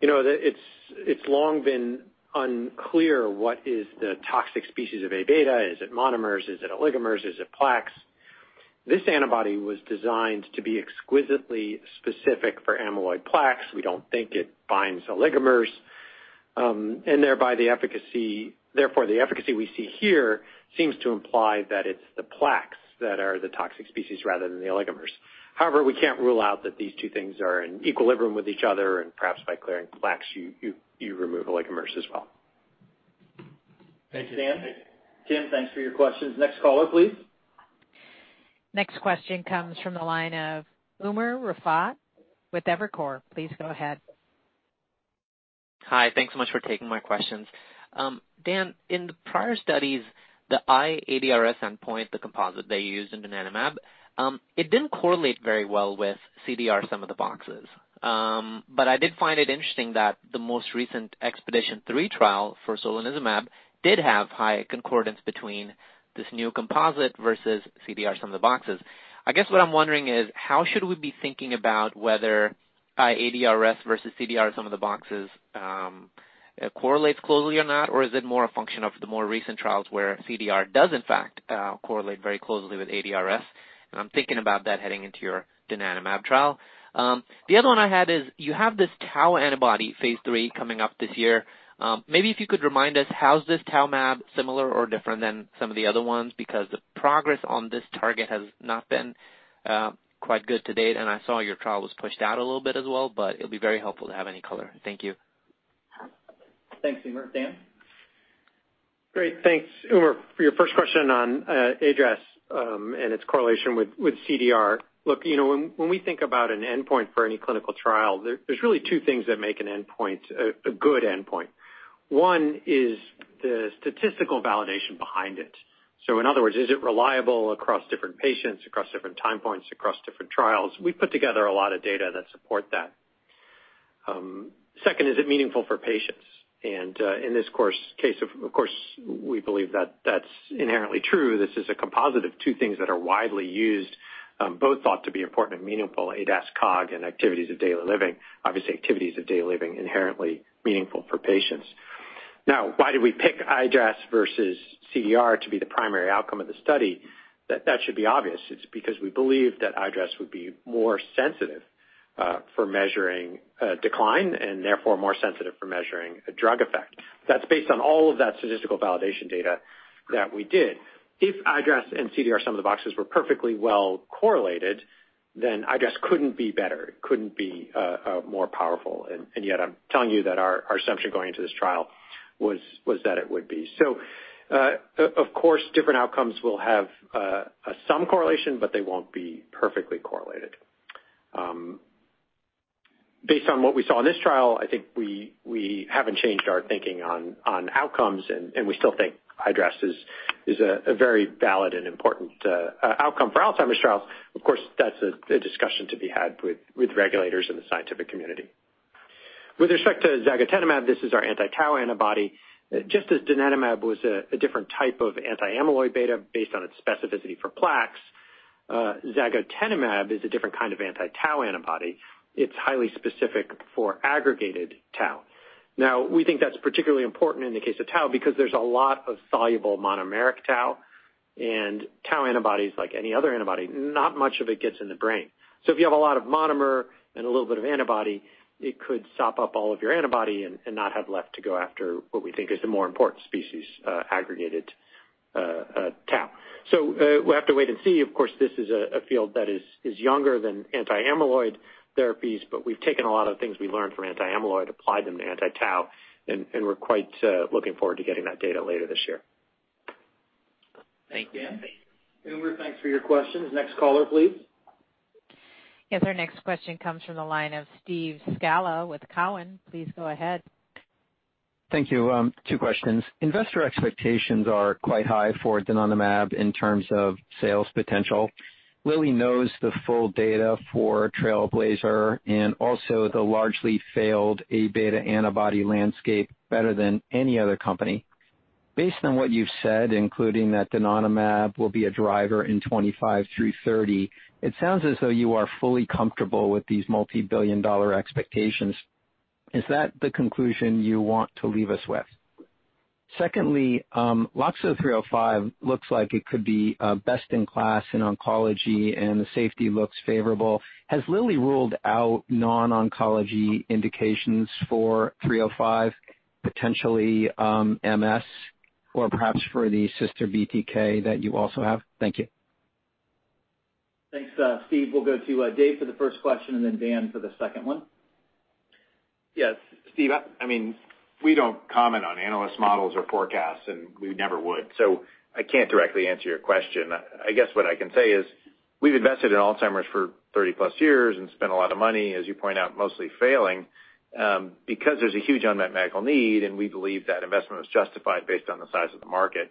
It's long been unclear what is the toxic species of Aβ. Is it monomers? Is it oligomers? Is it plaques? This antibody was designed to be exquisitely specific for amyloid plaques. We don't think it binds oligomers. Thereby, the efficacy we see here seems to imply that it's the plaques that are the toxic species rather than the oligomers. However, we can't rule out that these two things are in equilibrium with each other, and perhaps by clearing plaques, you remove oligomers as well. Thank you, Dan. Tim, thanks for your questions. Next caller, please. Next question comes from the line of Umer Raffat with Evercore. Please go ahead. Hi. Thanks so much for taking my questions. Dan, in the prior studies, the iADRS endpoint, the composite they used in donanemab, it didn't correlate very well with CDR sum of the boxes. I did find it interesting that the most recent EXPEDITION3 trial for solanezumab did have high concordance between this new composite versus CDR sum of the boxes. I guess what I'm wondering is how should we be thinking about whether iADRS versus CDR sum of the boxes correlates closely or not, or is it more a function of the more recent trials where CDR does in fact correlate very closely with iADRS? I'm thinking about that heading into your donanemab trial. The other one I had is you have this tau antibody phase III coming up this year. Maybe if you could remind us how's this tau mab similar or different than some of the other ones because the progress on this target has not been quite good to date, and I saw your trial was pushed out a little bit as well, but it'll be very helpful to have any color. Thank you. Thanks, Umer. Dan? Great. Thanks, Umer. For your first question on iADRS and its correlation with CDR. Look, when we think about an endpoint for any clinical trial, there's really two things that make an endpoint a good endpoint. One is the statistical validation behind it. In other words, is it reliable across different patients, across different time points, across different trials? We've put together a lot of data that support that. Second, is it meaningful for patients? In this case, of course, we believe that's inherently true. This is a composite of two things that are widely used, both thought to be important and meaningful, ADAS-Cog and activities of daily living. Obviously, activities of daily living inherently meaningful for patients. Why did we pick iADRS versus CDR to be the primary outcome of the study? That should be obvious. It's because we believe that iADRS would be more sensitive for measuring decline and therefore more sensitive for measuring a drug effect. That's based on all of that statistical validation data that we did. If iADRS and CDR sum of the boxes were perfectly well correlated, iADRS couldn't be better. It couldn't be more powerful, yet I'm telling you that our assumption going into this trial was that it would be. Of course, different outcomes will have some correlation, they won't be perfectly correlated. Based on what we saw in this trial, I think we haven't changed our thinking on outcomes, we still think iADRS is a very valid and important outcome for Alzheimer's trials. Of course, that's a discussion to be had with regulators in the scientific community. With respect to zagotenemab, this is our anti-tau antibody. Just as donanemab was a different type of anti-amyloid beta based on its specificity for plaques, zagotenemab is a different kind of anti-tau antibody. It's highly specific for aggregated tau. We think that's particularly important in the case of tau because there's a lot of soluble monomeric tau and tau antibodies like any other antibody. Not much of it gets in the brain. If you have a lot of monomer and a little bit of antibody, it could sop up all of your antibody and not have left to go after what we think is the more important species, aggregated tau. We'll have to wait and see. Of course, this is a field that is younger than anti-amyloid therapies, but we've taken a lot of things we learned from anti-amyloid, applied them to anti-tau, and we're quite looking forward to getting that data later this year. Thanks, Dan. Umer, thanks for your questions. Next caller, please. Yes, our next question comes from the line of Steve Scala with Cowen. Please go ahead. Thank you. Two questions. Investor expectations are quite high for donanemab in terms of sales potential. Lilly knows the full data for Trailblazer and also the largely failed Aβ antibody landscape better than any other company. Based on what you've said, including that donanemab will be a driver in 2025 through 2030, it sounds as though you are fully comfortable with these multi-billion dollar expectations. Is that the conclusion you want to leave us with? Secondly, LOXO-305 looks like it could be best in class in oncology, and the safety looks favorable. Has Lilly ruled out non-oncology indications for 305, potentially MS or perhaps for the sister BTK that you also have? Thank you. Thanks, Steve. We'll go to Dave for the first question and then Dan for the second one. Yes, Steve. We don't comment on analyst models or forecasts, we never would. I can't directly answer your question. I guess what I can say is we've invested in Alzheimer's for 30+ years and spent a lot of money, as you point out, mostly failing because there's a huge unmet medical need, and we believe that investment was justified based on the size of the market.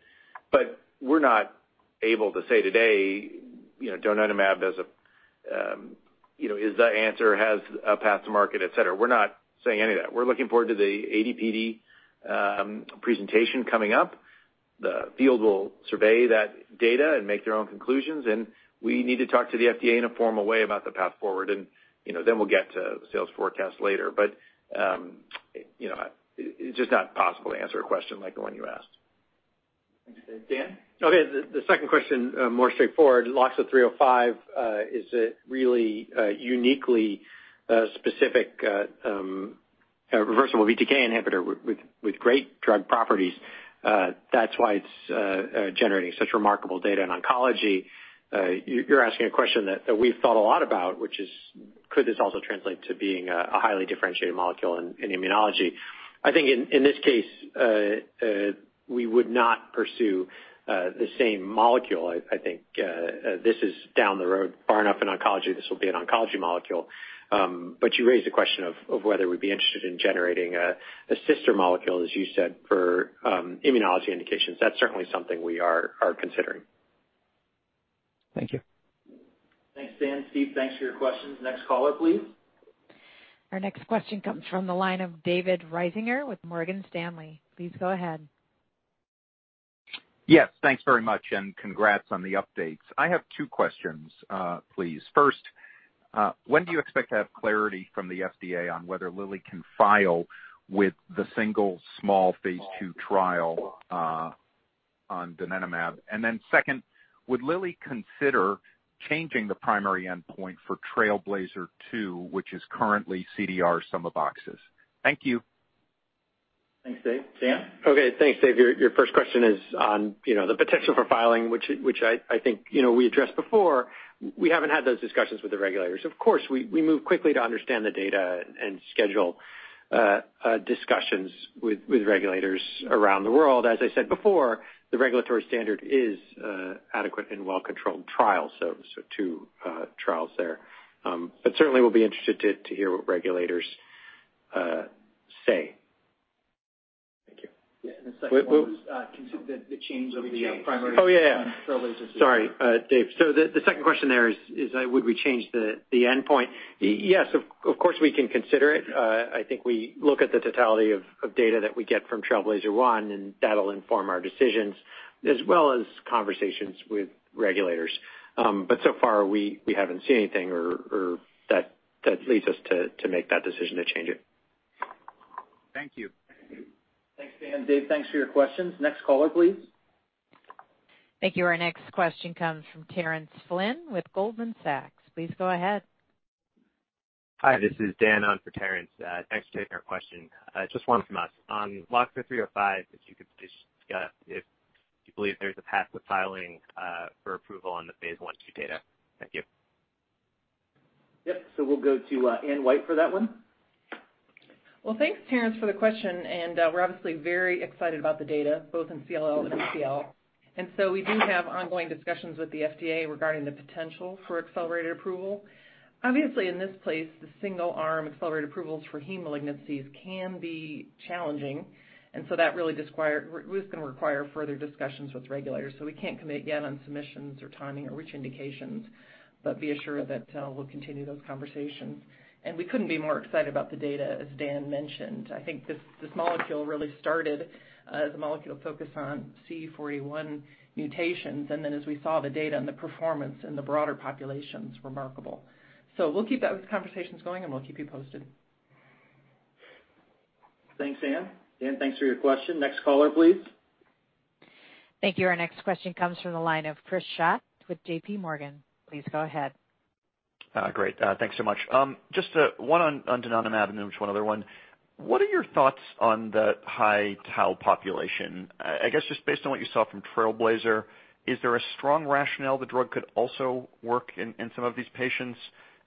We're not able to say today donanemab is the answer, has a path to market, et cetera. We're not saying any of that. We're looking forward to the ADPD presentation coming up. The field will survey that data and make their own conclusions, and we need to talk to the FDA in a formal way about the path forward, then we'll get to sales forecast later. It's just not possible to answer a question like the one you asked. Thanks, Dan. Okay, the second question, more straightforward. LOXO-305 is a really uniquely specific reversible BTK inhibitor with great drug properties. That's why it's generating such remarkable data in oncology. You're asking a question that we've thought a lot about, which is could this also translate to being a highly differentiated molecule in immunology? I think in this case, we would not pursue the same molecule. I think this is down the road far enough in oncology, this will be an oncology molecule. You raise the question of whether we'd be interested in generating a sister molecule, as you said, for immunology indications. That's certainly something we are considering. Thank you. Thanks, Dan. Steve, thanks for your questions. Next caller, please. Our next question comes from the line of David Risinger with Morgan Stanley. Please go ahead. Yes, thanks very much, and congrats on the updates. I have two questions, please. First, when do you expect to have clarity from the FDA on whether Lilly can file with the single small phase II trial on donanemab? Second, would Lilly consider changing the primary endpoint for TRAILBLAZER-2, which is currently CDR sum of boxes? Thank you. Thanks, Dave. Dan? Okay, thanks, Dave. Your first question is on the potential for filing, which I think we addressed before. We haven't had those discussions with the regulators. Of course, we move quickly to understand the data and schedule discussions with regulators around the world. As I said before, the regulatory standard is adequate and well-controlled trials, so two trials there. Certainly, we'll be interested to hear what regulators say. Thank you. The second one was consider the change of the primary endpoint on TRAILBLAZER-2. Yeah. Sorry Dave. The second question there is would we change the endpoint? Yes, of course, we can consider it. I think we look at the totality of data that we get from Trailblazer-1, and that'll inform our decisions as well as conversations with regulators. So far, we haven't seen anything that leads us to make that decision to change it. Thank you. Thanks, Dan. Dave, thanks for your questions. Next caller, please. Thank you. Our next question comes from Terence Flynn with Goldman Sachs. Please go ahead. Hi, this is Dan on for Terence. Thanks for taking our question. Just one from us. On LOXO-305, if you could please discuss if you believe there's a path to filing for approval on the phase I/II data. Thank you. Yep. We'll go to Anne White for that one. Well, thanks, Terence, for the question, and we're obviously very excited about the data both in CLL and MCL. We do have ongoing discussions with the FDA regarding the potential for accelerated approval. Obviously, in this place, the single-arm accelerated approvals for heme malignancies can be challenging, and so that really is going to require further discussions with regulators. We can't commit yet on submissions or timing or which indications, but be assured that we'll continue those conversations. We couldn't be more excited about the data, as Dan mentioned. I think this molecule really started as a molecule focused on C481 mutations, and then as we saw the data and the performance in the broader populations, remarkable. We'll keep those conversations going, and we'll keep you posted. Thanks, Anne. Dan, thanks for your question. Next caller, please. Thank you. Our next question comes from the line of Chris Schott with JPMorgan. Please go ahead. Great. Thanks so much. Just one on donanemab and then just one other one. What are your thoughts on the high tau population? I guess just based on what you saw from Trailblazer, is there a strong rationale the drug could also work in some of these patients?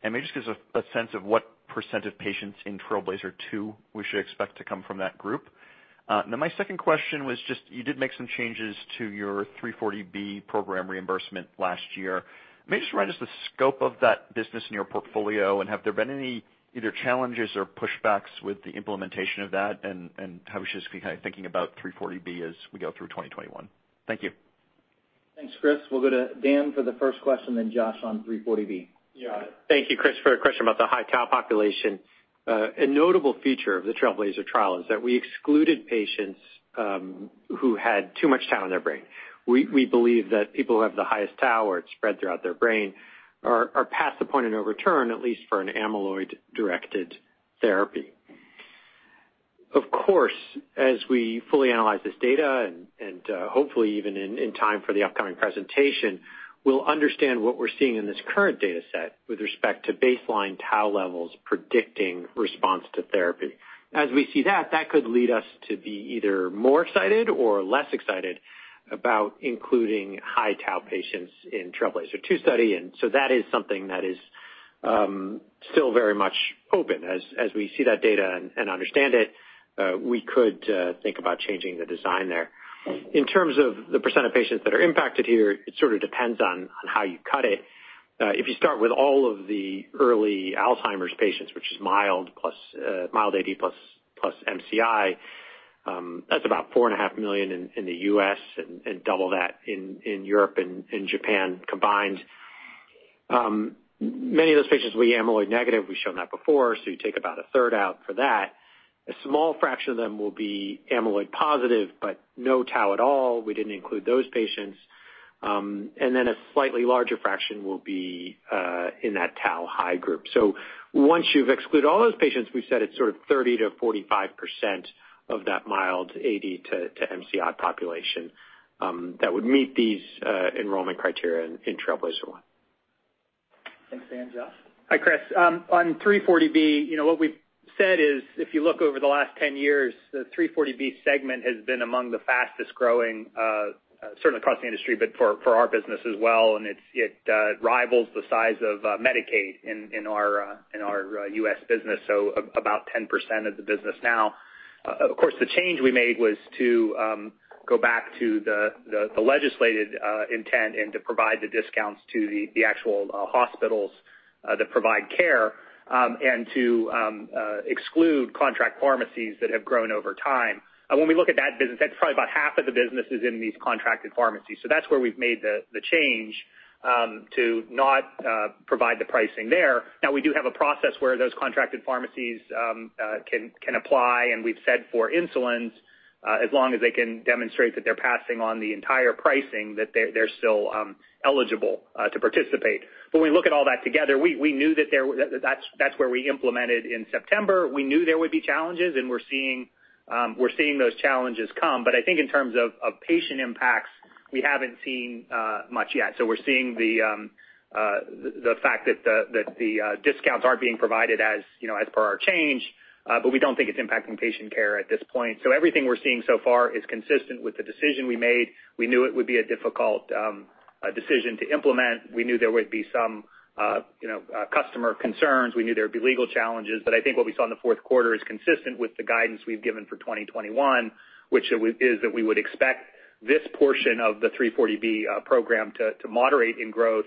Maybe just give us a sense of what percent of patients in Trailblazer-2 we should expect to come from that group. My second question was just you did make some changes to your 340B program reimbursement last year. Maybe just remind us the scope of that business in your portfolio, have there been any either challenges or pushbacks with the implementation of that? How we should just be kind of thinking about 340B as we go through 2021. Thank you. Thanks, Chris. We'll go to Dan for the first question, then Josh on 340B. Thank you, Chris, for the question about the high tau population. A notable feature of the TRAILBLAZER-ALZ trial is that we excluded patients who had too much tau in their brain. We believe that people who have the highest tau or it's spread throughout their brain are past the point of no return, at least for an amyloid-directed therapy. Of course, as we fully analyze this data, and hopefully even in time for the upcoming presentation, we'll understand what we're seeing in this current data set with respect to baseline tau levels predicting response to therapy. As we see that could lead us to be either more excited or less excited about including high tau patients in TRAILBLAZER-ALZ 2 study, that is something that is still very much open. As we see that data and understand it, we could think about changing the design there. In terms of the percent of patients that are impacted here, it sort of depends on how you cut it. If you start with all of the early Alzheimer's patients, which is mild AD plus MCI, that's about $4.5 million in the U.S. and double that in Europe and in Japan combined. Many of those patients will be amyloid negative. We've shown that before, you take about a 1/3 out for that. A small fraction of them will be amyloid positive, no tau at all. We didn't include those patients. A slightly larger fraction will be in that tau high group. Once you've excluded all those patients, we've said it's sort of 30%-45% of that mild AD to MCI population that would meet these enrollment criteria in TRAILBLAZER-1. Thanks, Dan. Josh? Hi, Chris. On 340B, what we've said is if you look over the last 10 years, the 340B segment has been among the fastest-growing, certainly across the industry, but for our business as well, and it rivals the size of Medicaid in our U.S. business, so about 10% of the business now. Of course, the change we made was to go back to the legislated intent and to provide the discounts to the actual hospitals that provide care, and to exclude contract pharmacies that have grown over time. When we look at that business, that's probably about half of the business is in these contracted pharmacies. That's where we've made the change to not provide the pricing there. We do have a process where those contracted pharmacies can apply, and we've said for insulins, as long as they can demonstrate that they're passing on the entire pricing, that they're still eligible to participate. When we look at all that together, we knew that's where we implemented in September. We knew there would be challenges, and we're seeing those challenges come. I think in terms of patient impacts, we haven't seen much yet. We're seeing the fact that the discounts aren't being provided as per our change, but we don't think it's impacting patient care at this point. Everything we're seeing so far is consistent with the decision we made. We knew it would be a difficult decision to implement. We knew there would be some customer concerns. We knew there would be legal challenges. I think what we saw in the fourth quarter is consistent with the guidance we've given for 2021, which is that we would expect this portion of the 340B program to moderate in growth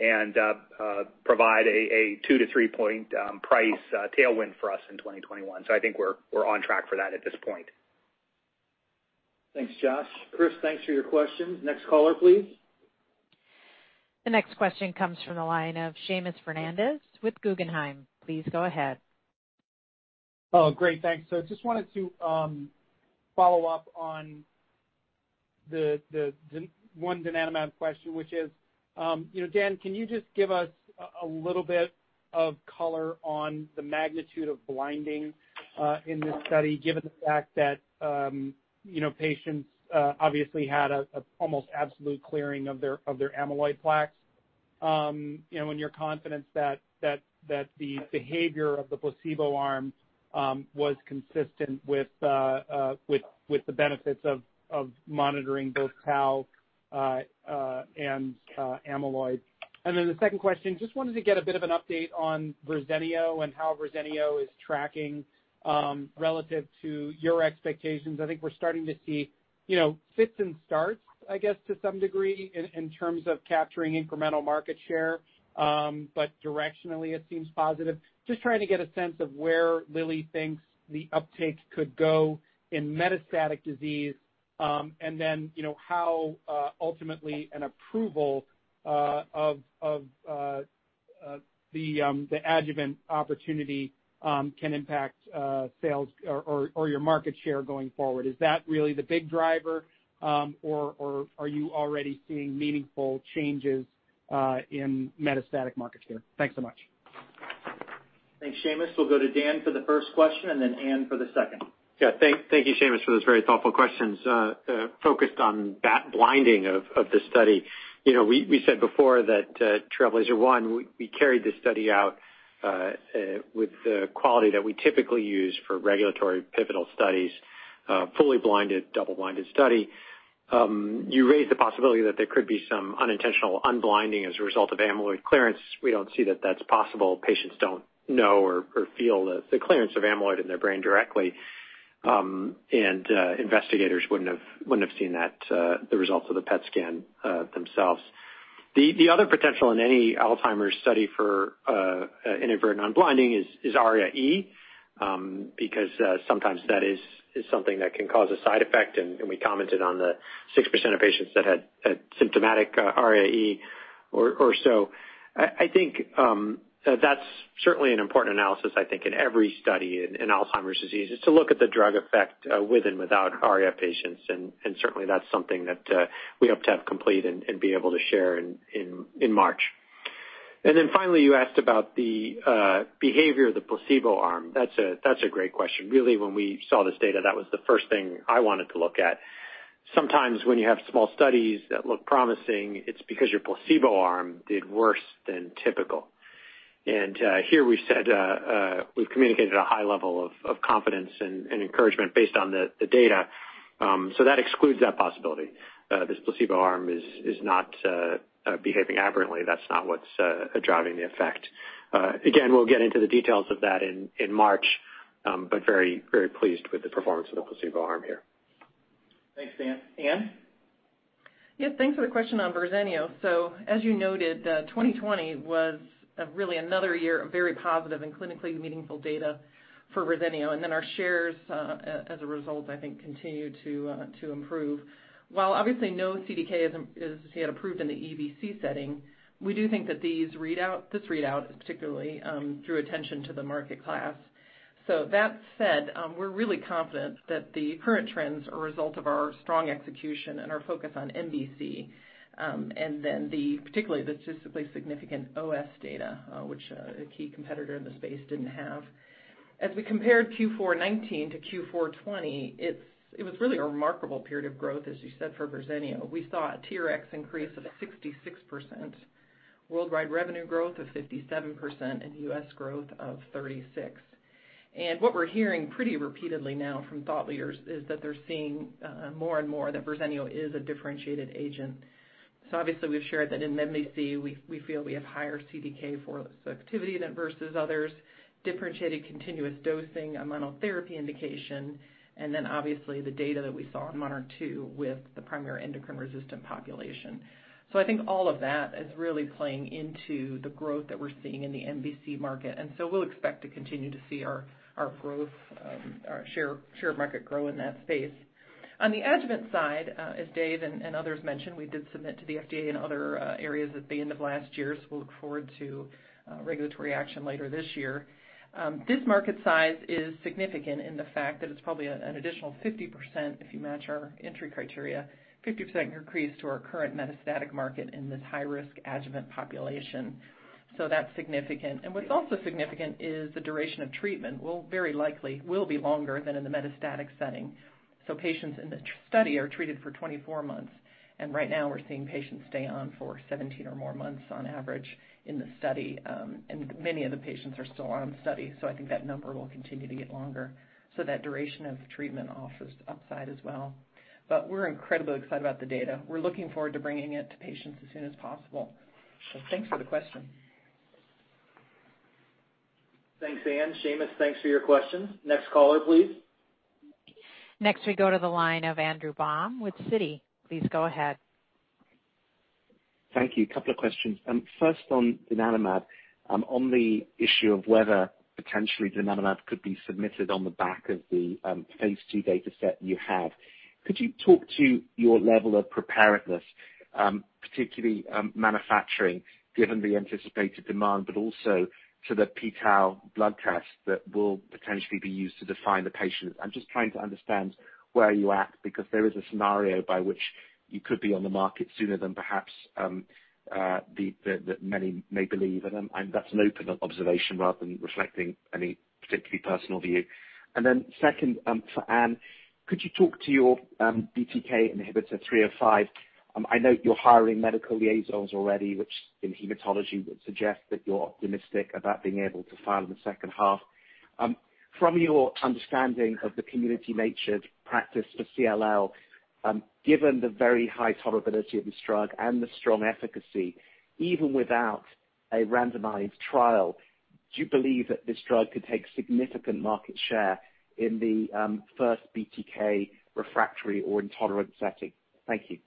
and provide a two to three-point price tailwind for us in 2021. I think we're on track for that at this point. Thanks, Josh. Chris, thanks for your question. Next caller, please. The next question comes from the line of Seamus Fernandez with Guggenheim. Please go ahead. Oh, great. Thanks. Just wanted to follow up on the one donanemab question, which is, Dan, can you just give us a little bit of color on the magnitude of blinding in this study, given the fact that patients obviously had an almost absolute clearing of their amyloid plaques, and when your confidence that the behavior of the placebo arm was consistent with the benefits of monitoring both tau and amyloid? The second question, just wanted to get a bit of an update on Verzenio and how Verzenio is tracking relative to your expectations. I think we're starting to see fits and starts, I guess, to some degree in terms of capturing incremental market share, but directionally it seems positive. Just trying to get a sense of where Lilly thinks the uptake could go in metastatic disease, and then how ultimately an approval of the adjuvant opportunity can impact sales or your market share going forward. Is that really the big driver, or are you already seeing meaningful changes in metastatic market share? Thanks so much. Thanks, Seamus. We'll go to Dan for the first question and then Anne for the second. Yeah. Thank you, Seamus, for those very thoughtful questions focused on that blinding of the study. We said before that TRAILBLAZER-1, we carried this study out with the quality that we typically use for regulatory pivotal studies, fully blinded, double-blinded study. You raised the possibility that there could be some unintentional unblinding as a result of amyloid clearance. We don't see that that's possible. Patients don't know or feel the clearance of amyloid in their brain directly, and investigators wouldn't have seen that, the results of the PET scan themselves. The other potential in any Alzheimer's study for inadvertent unblinding is ARIA-E because sometimes that is something that can cause a side effect, and we commented on the 6% of patients that had symptomatic ARIA-E or so. I think that's certainly an important analysis, I think in every study in Alzheimer's disease, is to look at the drug effect with and without ARIA patients, and certainly that's something that we hope to have complete and be able to share in March. Finally, you asked about the behavior of the placebo arm. That's a great question. Really, when we saw this data, that was the first thing I wanted to look at. Sometimes when you have small studies that look promising, it's because your placebo arm did worse than typical. Here we've communicated a high level of confidence and encouragement based on the data. That excludes that possibility. This placebo arm is not behaving aberrantly. That's not what's driving the effect. Again, we'll get into the details of that in March, but very pleased with the performance of the placebo arm here. Thanks, Dan. Anne? Yeah, thanks for the question on Verzenio. As you noted, 2020 was really another year of very positive and clinically meaningful data for Verzenio, our shares, as a result, I think continued to improve. While obviously no CDK is yet approved in the EBC setting, we do think that this readout particularly drew attention to the market class. That said, we're really confident that the current trends are a result of our strong execution and our focus on MBC, particularly the statistically significant OS data, which a key competitor in the space didn't have. As we compared Q4 2019-Q4 2020, it was really a remarkable period of growth, as you said, for Verzenio. We saw a TRx increase of 66%, worldwide revenue growth of 57%, and U.S. growth of 36%. What we're hearing pretty repeatedly now from thought leaders is that they're seeing more and more that Verzenio is a differentiated agent. Obviously we've shared that in MBC, we feel we have higher CDK4/6 activity than versus others, differentiated continuous dosing, a monotherapy indication, and then obviously the data that we saw in MONARCH 2 with the primary endocrine-resistant population. I think all of that is really playing into the growth that we're seeing in the MBC market, and so we'll expect to continue to see our growth, our share of market grow in that space. On the adjuvant side, as Dave and others mentioned, we did submit to the FDA in other areas at the end of last year. We'll look forward to regulatory action later this year. This market size is significant in the fact that it's probably an additional 50%, if you match our entry criteria, 50% increase to our current metastatic market in this high-risk adjuvant population. That's significant. What's also significant is the duration of treatment will very likely be longer than in the metastatic setting. Patients in the study are treated for 24 months, and right now we're seeing patients stay on for 17 or more months on average in the study. Many of the patients are still on study, so I think that number will continue to get longer. That duration of treatment offers upside as well. We're incredibly excited about the data. We're looking forward to bringing it to patients as soon as possible. Thanks for the question. Thanks, Anne. Seamus, thanks for your questions. Next caller, please. Next we go to the line of Andrew Baum with Citi. Please go ahead. Thank you. Couple of questions. First on donanemab, on the issue of whether potentially donanemab could be submitted on the back of the phase II data set you have, could you talk to your level of preparedness, particularly manufacturing, given the anticipated demand, but also to the p-tau blood test that will potentially be used to define the patient? I'm just trying to understand where you're at, because there is a scenario by which you could be on the market sooner than perhaps that many may believe, and that's an open observation rather than reflecting any particularly personal view. Then second, for Anne, could you talk to your BTK inhibitor 305? I note you're hiring medical liaisons already, which in hematology would suggest that you're optimistic about being able to file in the second half. From your understanding of the community-matured practice for CLL, given the very high tolerability of this drug and the strong efficacy, even without a randomized trial, do you believe that this drug could take significant market share in the first BTK refractory or intolerant setting? Thank you.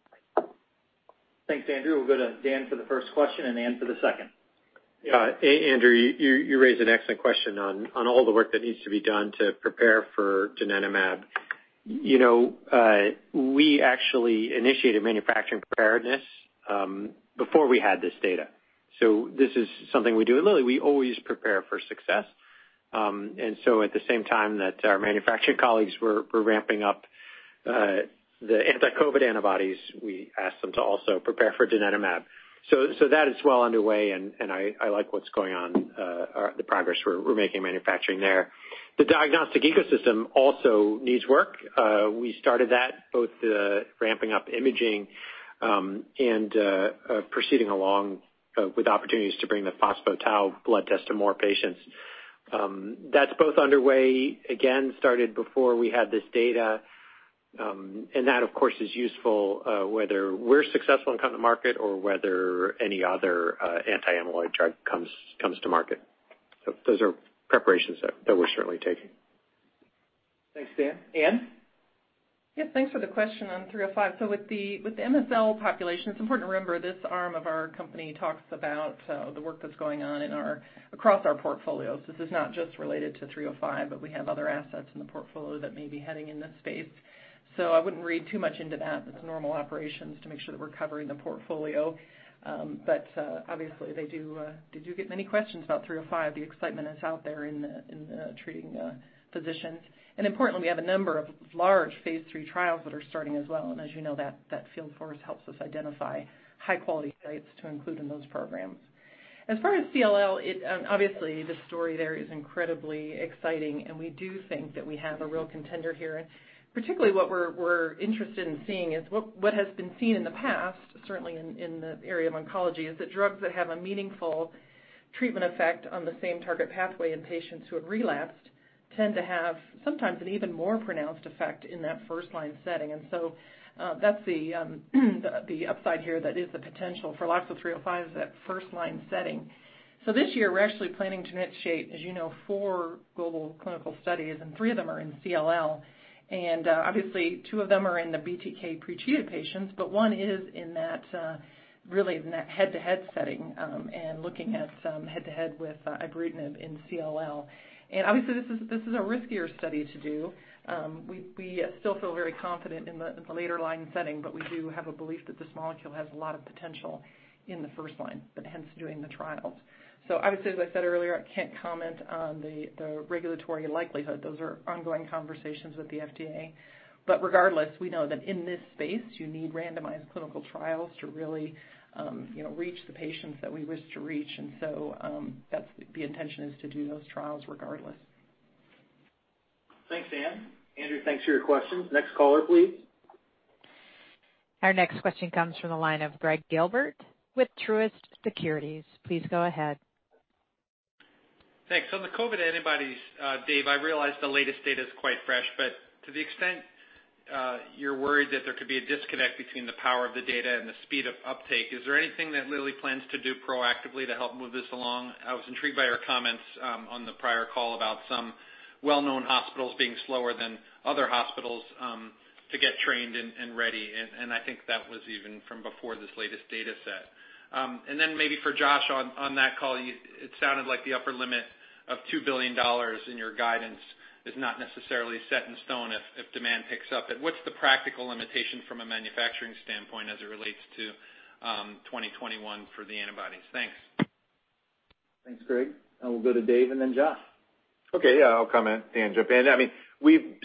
Thanks, Andrew. We'll go to Dan for the first question and Anne for the second. Yeah. Andrew, you raised an excellent question on all the work that needs to be done to prepare for donanemab. We actually initiated manufacturing preparedness before we had this data. This is something we do at Lilly. We always prepare for success. At the same time that our manufacturing colleagues were ramping up the anti-COVID antibodies, we asked them to also prepare for donanemab. That is well underway, and I like what's going on, the progress we're making in manufacturing there. The diagnostic ecosystem also needs work. We started that, both the ramping up imaging and proceeding along with opportunities to bring the phospho-tau blood test to more patients. That's both underway, again, started before we had this data. That, of course, is useful whether we're successful and come to market or whether any other anti-amyloid drug comes to market. Those are preparations that we're certainly taking. Thanks, Dan. Anne? Yeah, thanks for the question on 305. With the MSL population, it's important to remember this arm of our company talks about the work that's going on across our portfolios. This is not just related to 305, but we have other assets in the portfolio that may be heading in this space. I wouldn't read too much into that. It's normal operations to make sure that we're covering the portfolio. Obviously they do get many questions about 305. The excitement is out there in the treating physicians. Importantly, we have a number of large phase III trials that are starting as well. As you know, that field force helps us identify high-quality sites to include in those programs. As far as CLL, obviously the story there is incredibly exciting, and we do think that we have a real contender here. Particularly what we're interested in seeing is what has been seen in the past, certainly in the area of oncology, is that drugs that have a meaningful treatment effect on the same target pathway in patients who have relapsed tend to have sometimes an even more pronounced effect in that first-line setting. That's the upside here that is the potential for LOXO-305 is that first-line setting. This year we're actually planning to initiate, as you know, four global clinical studies, and three of them are in CLL. Obviously two of them are in the BTK pretreated patients, but one is in that head-to-head setting and looking at some head-to-head with ibrutinib in CLL. Obviously this is a riskier study to do. We still feel very confident in the later line setting. We do have a belief that this molecule has a lot of potential in the first line, hence doing the trials. Obviously, as I said earlier, I can't comment on the regulatory likelihood. Those are ongoing conversations with the FDA. Regardless, we know that in this space, you need randomized clinical trials to really reach the patients that we wish to reach, the intention is to do those trials regardless. Thanks, Anne. Andrew, thanks for your questions. Next caller, please. Our next question comes from the line of Gregg Gilbert with Truist Securities. Please go ahead. Thanks. On the COVID antibodies, Dave, I realize the latest data's quite fresh, but to the extent you're worried that there could be a disconnect between the power of the data and the speed of uptake, is there anything that Lilly plans to do proactively to help move this along? I was intrigued by your comments on the prior call about some well-known hospitals being slower than other hospitals to get trained and ready, and I think that was even from before this latest data set. Then maybe for Josh, on that call, it sounded like the upper limit of $2 billion in your guidance is not necessarily set in stone if demand picks up. What's the practical limitation from a manufacturing standpoint as it relates to 2021 for the antibodies? Thanks. Thanks, Gregg. I will go to Dave and then Josh. Okay. Yeah, I'll comment and jump in.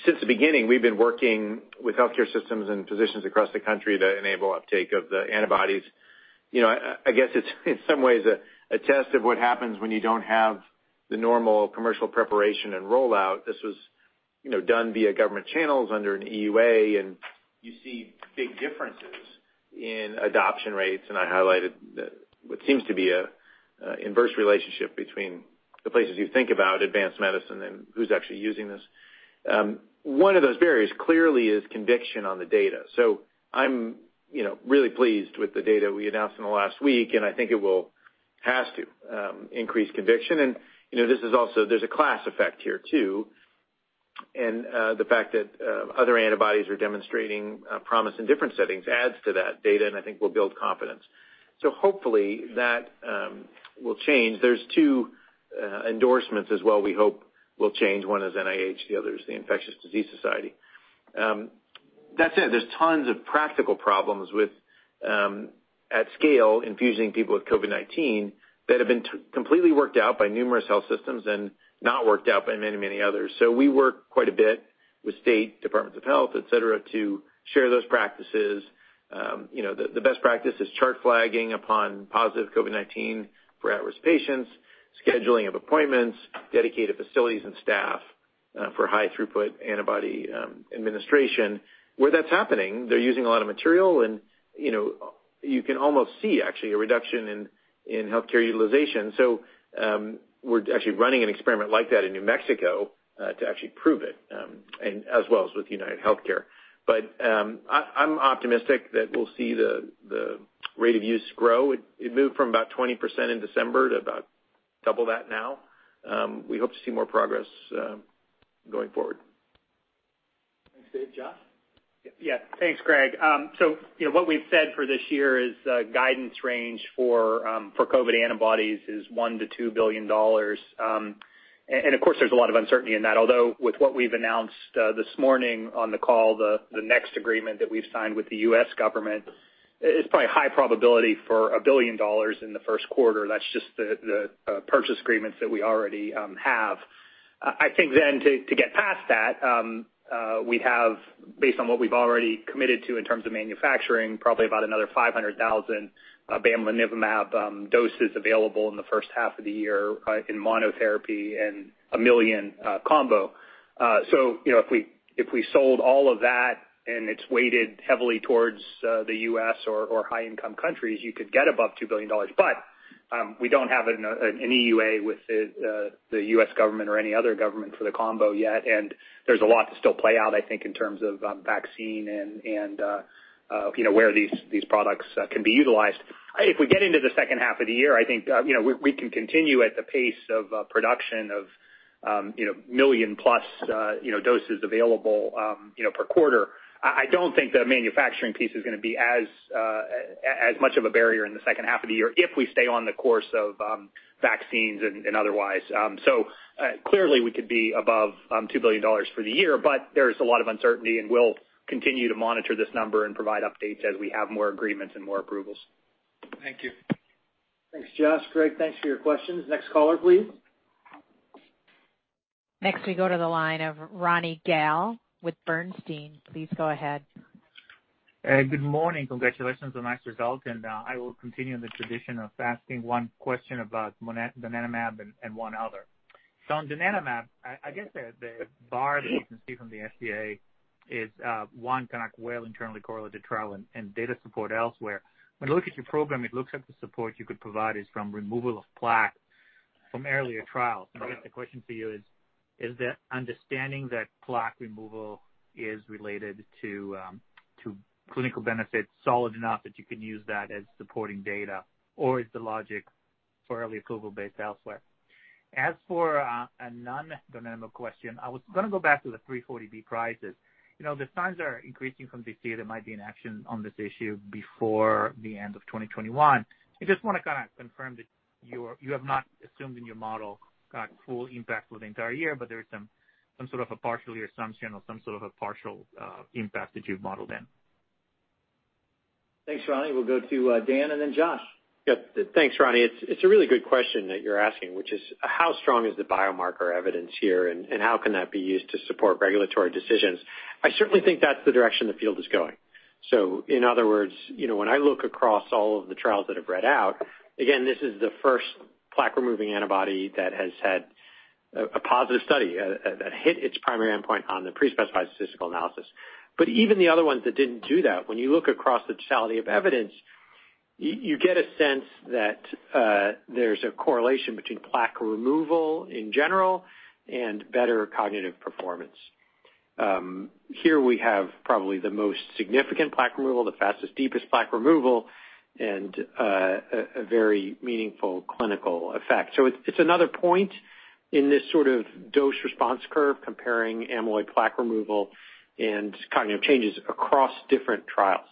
Since the beginning, we've been working with healthcare systems and physicians across the country to enable uptake of the antibodies. I guess it's in some ways a test of what happens when you don't have the normal commercial preparation and rollout. This was done via government channels under an EUA. You see big differences in adoption rates. I highlighted what seems to be an inverse relationship between the places you think about advanced medicine and who's actually using this. One of those barriers clearly is conviction on the data. I'm really pleased with the data we announced in the last week. I think it has to increase conviction. There's a class effect here, too. The fact that other antibodies are demonstrating promise in different settings adds to that data and I think will build confidence. Hopefully, that will change. There's two endorsements as well we hope will change. One is NIH, the other is the Infectious Diseases Society. That said, there's tons of practical problems at scale, infusing people with COVID-19 that have been completely worked out by numerous health systems and not worked out by many others. We work quite a bit with state departments of health, et cetera, to share those practices. The best practice is chart flagging upon positive COVID-19 for at-risk patients, scheduling of appointments, dedicated facilities and staff for high throughput antibody administration. Where that's happening, they're using a lot of material, and you can almost see, actually, a reduction in healthcare utilization. We're actually running an experiment like that in New Mexico to actually prove it, as well as with UnitedHealthcare. I'm optimistic that we'll see the rate of use grow. It moved from about 20% in December to about double that now. We hope to see more progress going forward. Thanks, Dave. Josh? Thanks, Gregg. What we've said for this year is guidance range for COVID antibodies is $1 billion-$2 billion. Of course, there's a lot of uncertainty in that, although with what we've announced this morning on the call, the next agreement that we've signed with the U.S. government is probably a high probability for $1 billion in the first quarter. That's just the purchase agreements that we already have. I think to get past that, we have, based on what we've already committed to in terms of manufacturing, probably about another 500,000 bamlanivimab doses available in the first half of the year in monotherapy and one million combo. If we sold all of that and it's weighted heavily towards the U.S. or high-income countries, you could get above $2 billion. We don't have an EUA with the U.S. government or any other government for the combo yet, and there's a lot to still play out, I think, in terms of vaccine and where these products can be utilized. If we get into the second half of the year, I think we can continue at the pace of production of million+ doses available per quarter. I don't think the manufacturing piece is going to be as much of a barrier in the second half of the year if we stay on the course of vaccines and otherwise. Clearly, we could be above $2 billion for the year, but there's a lot of uncertainty, and we'll continue to monitor this number and provide updates as we have more agreements and more approvals. Thank you. Thanks, Josh. Gregg, thanks for your questions. Next caller, please. Next, we go to the line of Ronny Gal with Bernstein. Please go ahead. Good morning. Congratulations on nice result, I will continue in the tradition of asking one question about donanemab and one other. On donanemab, I guess the bar that we can see from the FDA is one kind of well internally correlated trial and data support elsewhere. When I look at your program, it looks like the support you could provide is from removal of plaque from earlier trials. Right. I guess the question for you is the understanding that plaque removal is related to clinical benefits solid enough that you can use that as supporting data, or is the logic for early approval based elsewhere? As for a non-donanemab question, I was going to go back to the 340B prices. The signs are increasing from this year there might be an action on this issue before the end of 2021. I just want to kind of confirm that you have not assumed in your model got full impact for the entire year, but there is some sort of a partial assumption or some sort of a partial impact that you've modeled in. Thanks, Ronny. We'll go to Dan and then Josh. Yep. Thanks, Ronny. It's a really good question that you're asking, which is how strong is the biomarker evidence here, and how can that be used to support regulatory decisions? I certainly think that's the direction the field is going. In other words, when I look across all of the trials that have read out, again, this is the first plaque-removing antibody that has had a positive study that hit its primary endpoint on the pre-specified statistical analysis. Even the other ones that didn't do that, when you look across the totality of evidence, you get a sense that there's a correlation between plaque removal in general and better cognitive performance. Here we have probably the most significant plaque removal, the fastest, deepest plaque removal, and a very meaningful clinical effect. It's another point in this sort of dose-response curve comparing amyloid plaque removal and cognitive changes across different trials.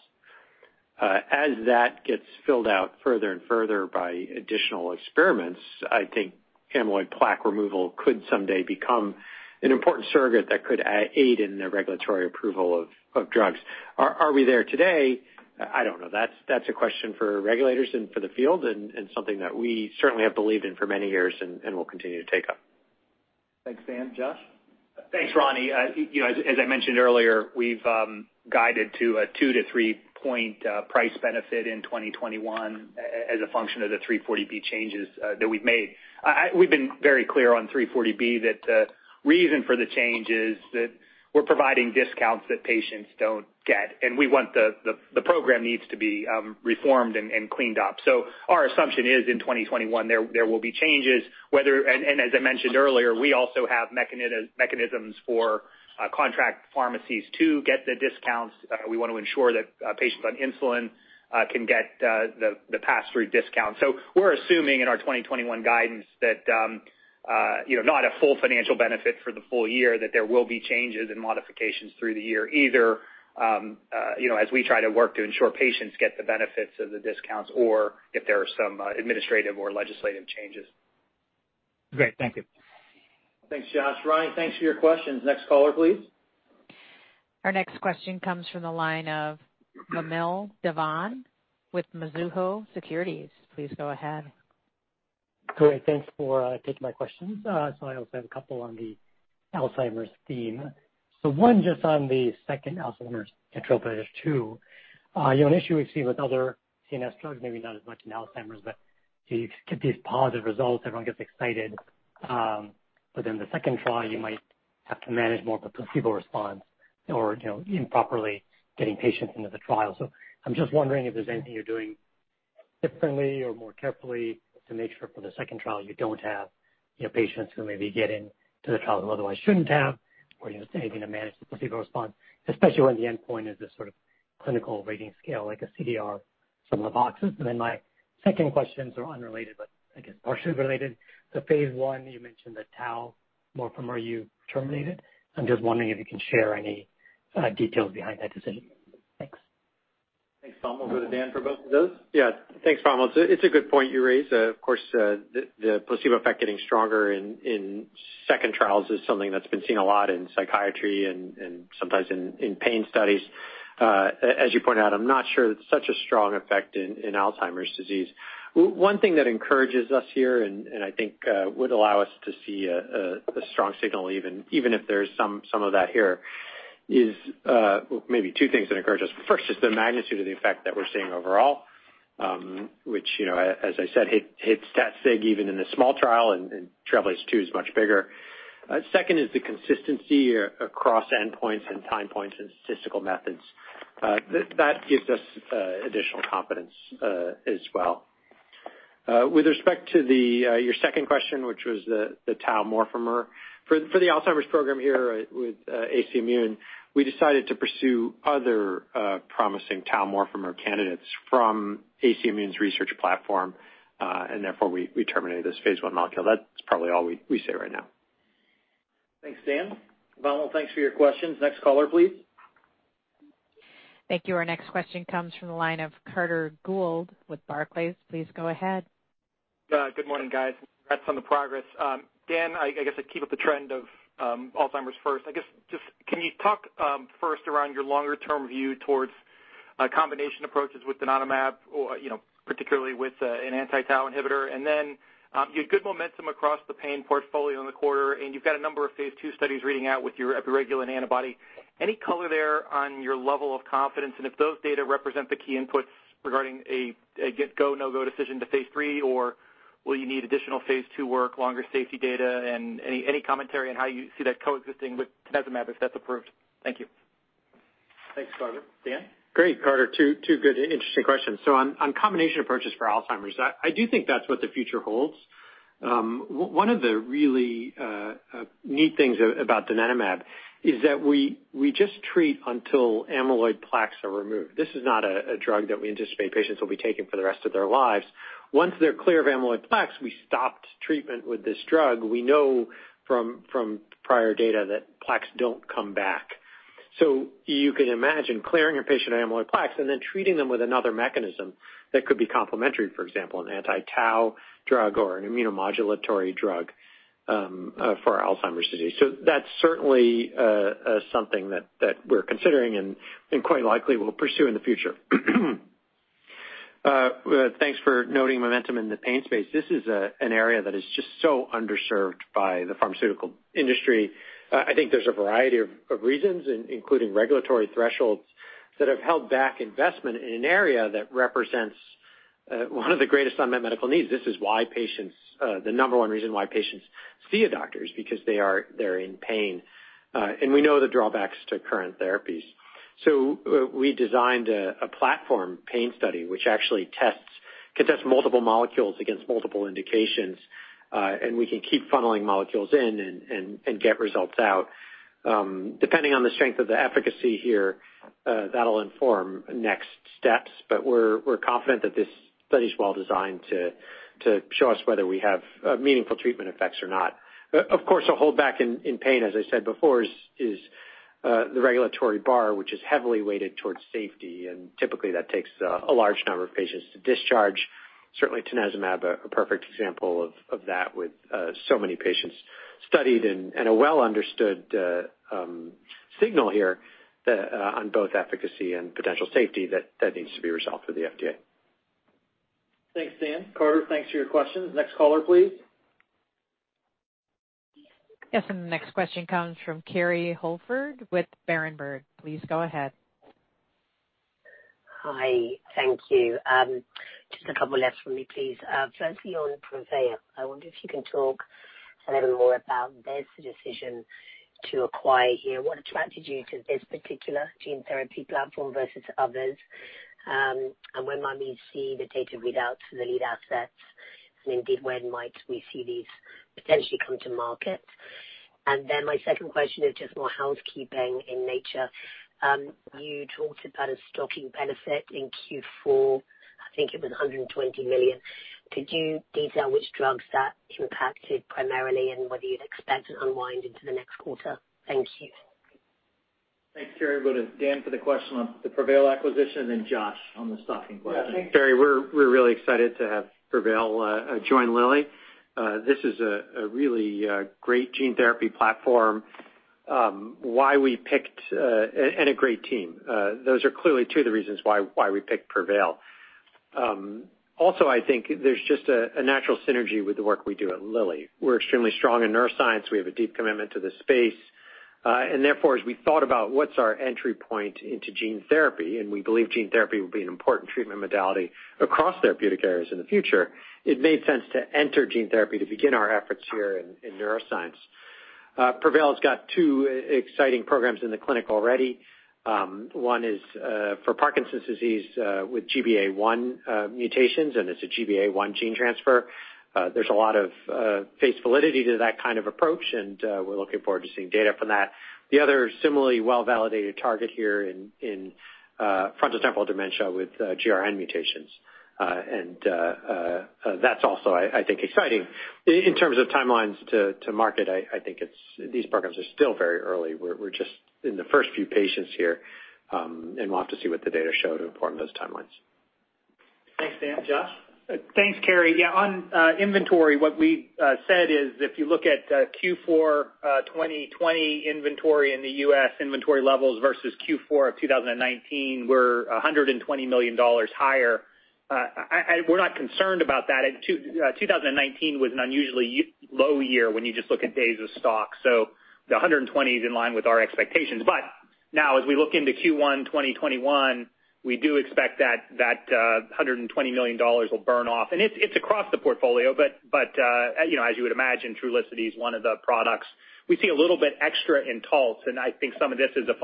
As that gets filled out further and further by additional experiments, I think amyloid plaque removal could someday become an important surrogate that could aid in the regulatory approval of drugs. Are we there today? I don't know. That's a question for regulators and for the field and something that we certainly have believed in for many years and will continue to take up. Thanks, Dan. Josh? Thanks, Ronny. As I mentioned earlier, we've guided to a 2- to 3-point price benefit in 2021 as a function of the 340B changes that we've made. We've been very clear on 340B that the reason for the change is that we're providing discounts that patients don't get, and the program needs to be reformed and cleaned up. Our assumption is in 2021, there will be changes. As I mentioned earlier, we also have mechanisms for contract pharmacies to get the discounts. We want to ensure that patients on insulin can get the pass-through discount. We're assuming in our 2021 guidance that not a full financial benefit for the full year, that there will be changes and modifications through the year, either as we try to work to ensure patients get the benefits of the discounts or if there are some administrative or legislative changes. Great. Thank you. Thanks, Josh. Ronny, thanks for your questions. Next caller, please. Our next question comes from the line of Vamil Divan with Mizuho Securities. Please go ahead. Great. Thanks for taking my questions. I also have a couple on the Alzheimer's theme. One just on the second Alzheimer's trial, TRAILBLAZER-ALZ 2. An issue we've seen with other CNS drugs, maybe not as much in Alzheimer's, but you get these positive results, everyone gets excited. The second trial, you might have to manage more of a placebo response or improperly getting patients into the trial. I'm just wondering if there's anything you're doing differently or more carefully to make sure for the second trial you don't have patients who maybe get into the trial who otherwise shouldn't have, or just anything to manage the placebo response, especially when the endpoint is a sort of clinical rating scale, like a CDR, some of the boxes. My second questions are unrelated, but I guess partially related. Phase I, you mentioned the tau oligomer you terminated. I'm just wondering if you can share any details behind that decision. Thanks. Thanks, Vamil. We'll go to Dan for both of those. Yeah. Thanks, Vamil. It's a good point you raise. Of course, the placebo effect getting stronger in second trials is something that's been seen a lot in psychiatry and sometimes in pain studies. As you point out, I'm not sure that such a strong effect in Alzheimer's disease. One thing that encourages us here, and I think would allow us to see a strong signal even if there's some of that here is maybe two things that encourage us. First is the magnitude of the effect that we're seeing overall, which, as I said, hits that sig even in a small trial, and TRAILBLAZER-ALZ 2 is much bigger. Second is the consistency across endpoints and time points and statistical methods. That gives us additional confidence as well. With respect to your second question, which was the tau oligomer. For the Alzheimer's program here with AC Immune, we decided to pursue other promising tau morphomer candidates from AC Immune's research platform. Therefore, we terminated this phase I molecule. That's probably all we say right now. Thanks, Dan. Vamil, thanks for your questions. Next caller, please. Thank you. Our next question comes from the line of Carter Gould with Barclays. Please go ahead. Good morning, guys. Congrats on the progress. Dan, I guess I keep up the trend of Alzheimer's first. Can you talk first around your longer-term view towards combination approaches with donanemab or particularly with an anti-tau inhibitor? You had good momentum across the pain portfolio in the quarter, and you've got a number of phase II studies reading out with your epiregulin antibody. Any color there on your level of confidence, and if those data represent the key inputs regarding a go, no go decision to phase III, or will you need additional phase II work, longer safety data, and any commentary on how you see that coexisting with tanezumab, if that's approved? Thank you. Thanks, Carter. Dan? Great, Carter. Two good, interesting questions. On combination approaches for Alzheimer's, I do think that's what the future holds. One of the really neat things about donanemab is that we just treat until amyloid plaques are removed. This is not a drug that we anticipate patients will be taking for the rest of their lives. Once they're clear of amyloid plaques, we stopped treatment with this drug. We know from prior data that plaques don't come back. You can imagine clearing a patient of amyloid plaques and then treating them with another mechanism that could be complementary, for example, an anti-tau drug or an immunomodulatory drug for Alzheimer's disease. That's certainly something that we're considering and quite likely will pursue in the future. Thanks for noting momentum in the pain space. This is an area that is just so underserved by the pharmaceutical industry. I think there's a variety of reasons, including regulatory thresholds that have held back investment in an area that represents one of the greatest unmet medical needs. This is the number one reason why patients see a doctor, because they're in pain. We know the drawbacks to current therapies. We designed a platform pain study, which actually can test multiple molecules against multiple indications, and we can keep funneling molecules in and get results out. Depending on the strength of the efficacy here, that'll inform next steps. We're confident that this study's well designed to show us whether we have meaningful treatment effects or not. Of course, a holdback in pain, as I said before, is the regulatory bar, which is heavily weighted towards safety, and typically that takes a large number of patients to discharge. Certainly tanezumab, a perfect example of that with so many patients studied and a well-understood signal here on both efficacy and potential safety that needs to be resolved with the FDA. Thanks, Dan. Carter, thanks for your questions. Next caller, please. Yes, the next question comes from Kerry Holford with Berenberg. Please go ahead. Hi. Thank you. Just a couple left from me, please. Firstly, on Prevail. I wonder if you can talk a little more about this decision to acquire here. What attracted you to this particular gene therapy platform versus others? When might we see the data readouts for the lead assets, and indeed when might we see these potentially come to market? Then my second question is just more housekeeping in nature. You talked about a stocking benefit in Q4, I think it was $120 million. Could you detail which drugs that impacted primarily and whether you'd expect an unwind into the next quarter? Thank you. Thanks, Kerry. We'll go to Dan for the question on the Prevail acquisition, and then Josh on the stocking question. Thanks, Kerry. We're really excited to have Prevail join Lilly. This is a really great gene therapy platform and a great team. Those are clearly two of the reasons why we picked Prevail. I think there's just a natural synergy with the work we do at Lilly. We're extremely strong in neuroscience. We have a deep commitment to this space. As we thought about what's our entry point into gene therapy, and we believe gene therapy will be an important treatment modality across therapeutic areas in the future, it made sense to enter gene therapy to begin our efforts here in neuroscience. Prevail's got two exciting programs in the clinic already. One is for Parkinson's disease, with GBA1 mutations, and it's a GBA1 gene transfer. There's a lot of face validity to that kind of approach, and we're looking forward to seeing data from that. The other similarly well-validated target here in frontotemporal dementia with GRN mutations. That's also I think exciting. In terms of timelines to market, I think these programs are still very early. We're just in the first few patients here, and we'll have to see what the data show to inform those timelines. Thanks, Dan. Josh? Thanks, Kerry. On inventory, what we said is if you look at Q4 2020 inventory in the U.S., inventory levels versus Q4 2019, we're $120 million higher. We're not concerned about that. 2019 was an unusually low year when you just look at days of stock, the $120 is in line with our expectations. Now as we look into Q1 2021, we do expect that $120 million will burn off. It's across the portfolio, but as you would imagine, Trulicity is one of the products. We see a little bit extra in Taltz, I think some of this is a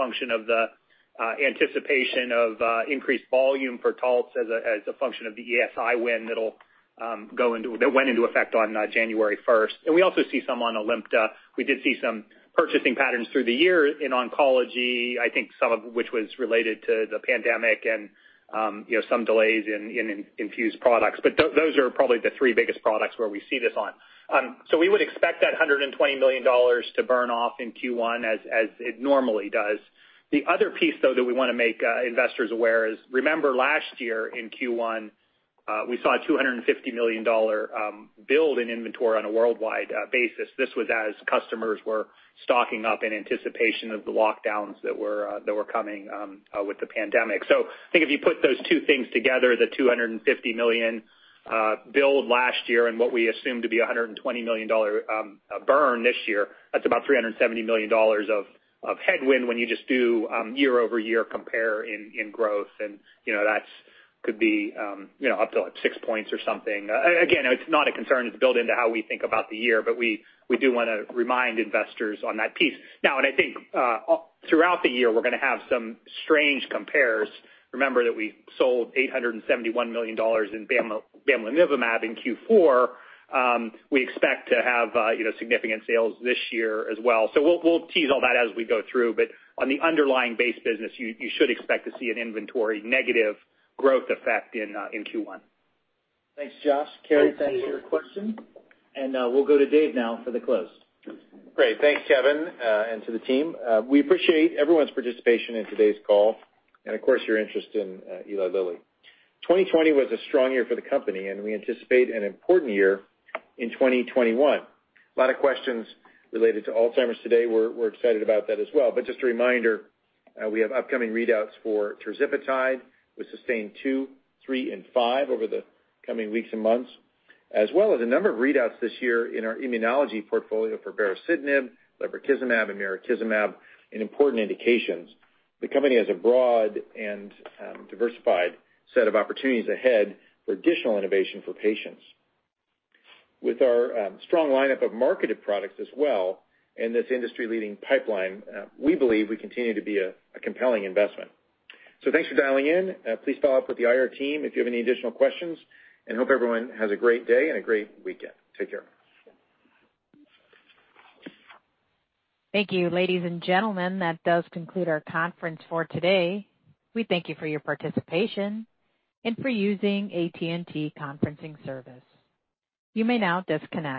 function of the anticipation of increased volume for Taltz as a function of the ESI win that went into effect on January 1st. We also see some on ALIMTA. We did see some purchasing patterns through the year in oncology, I think some of which was related to the pandemic and some delays in infused products. Those are probably the three biggest products where we see this on. We would expect that $120 million to burn off in Q1 as it normally does. The other piece, though, that we want to make investors aware is, remember last year in Q1, we saw a $250 million build in inventory on a worldwide basis. This was as customers were stocking up in anticipation of the lockdowns that were coming with the pandemic. I think if you put those two things together, the $250 million build last year and what we assume to be $120 million burn this year, that's about $370 million of headwind when you just do year-over-year compare in growth. That could be up to like six points or something. Again, it's not a concern. It's built into how we think about the year, but we do want to remind investors on that piece. Now, I think throughout the year, we're going to have some strange compares. Remember that we sold $871 million in bamlanivimab in Q4. We expect to have significant sales this year as well. We'll tease all that as we go through, but on the underlying base business, you should expect to see an inventory negative growth effect in Q1. Thanks, Josh. Kerry, thanks for your question. We'll go to Dave now for the close. Great. Thanks, Kevin, and to the team. We appreciate everyone's participation in today's call, and of course, your interest in Eli Lilly. 2020 was a strong year for the company, and we anticipate an important year in 2021. A lot of questions related to Alzheimer's today. We're excited about that as well. Just a reminder, we have upcoming readouts for tirzepatide with SUSTAIN 2, 3, and 5 over the coming weeks and months, as well as a number of readouts this year in our immunology portfolio for baricitinib, lebrikizumab, and mirikizumab in important indications. The company has a broad and diversified set of opportunities ahead for additional innovation for patients. With our strong lineup of marketed products as well and this industry-leading pipeline, we believe we continue to be a compelling investment. Thanks for dialing in. Please follow up with the IR team if you have any additional questions, and hope everyone has a great day and a great weekend. Take care. Thank you, ladies and gentlemen. That does conclude our conference for today. We thank you for your participation and for using AT&T Conferencing Service. You may now disconnect.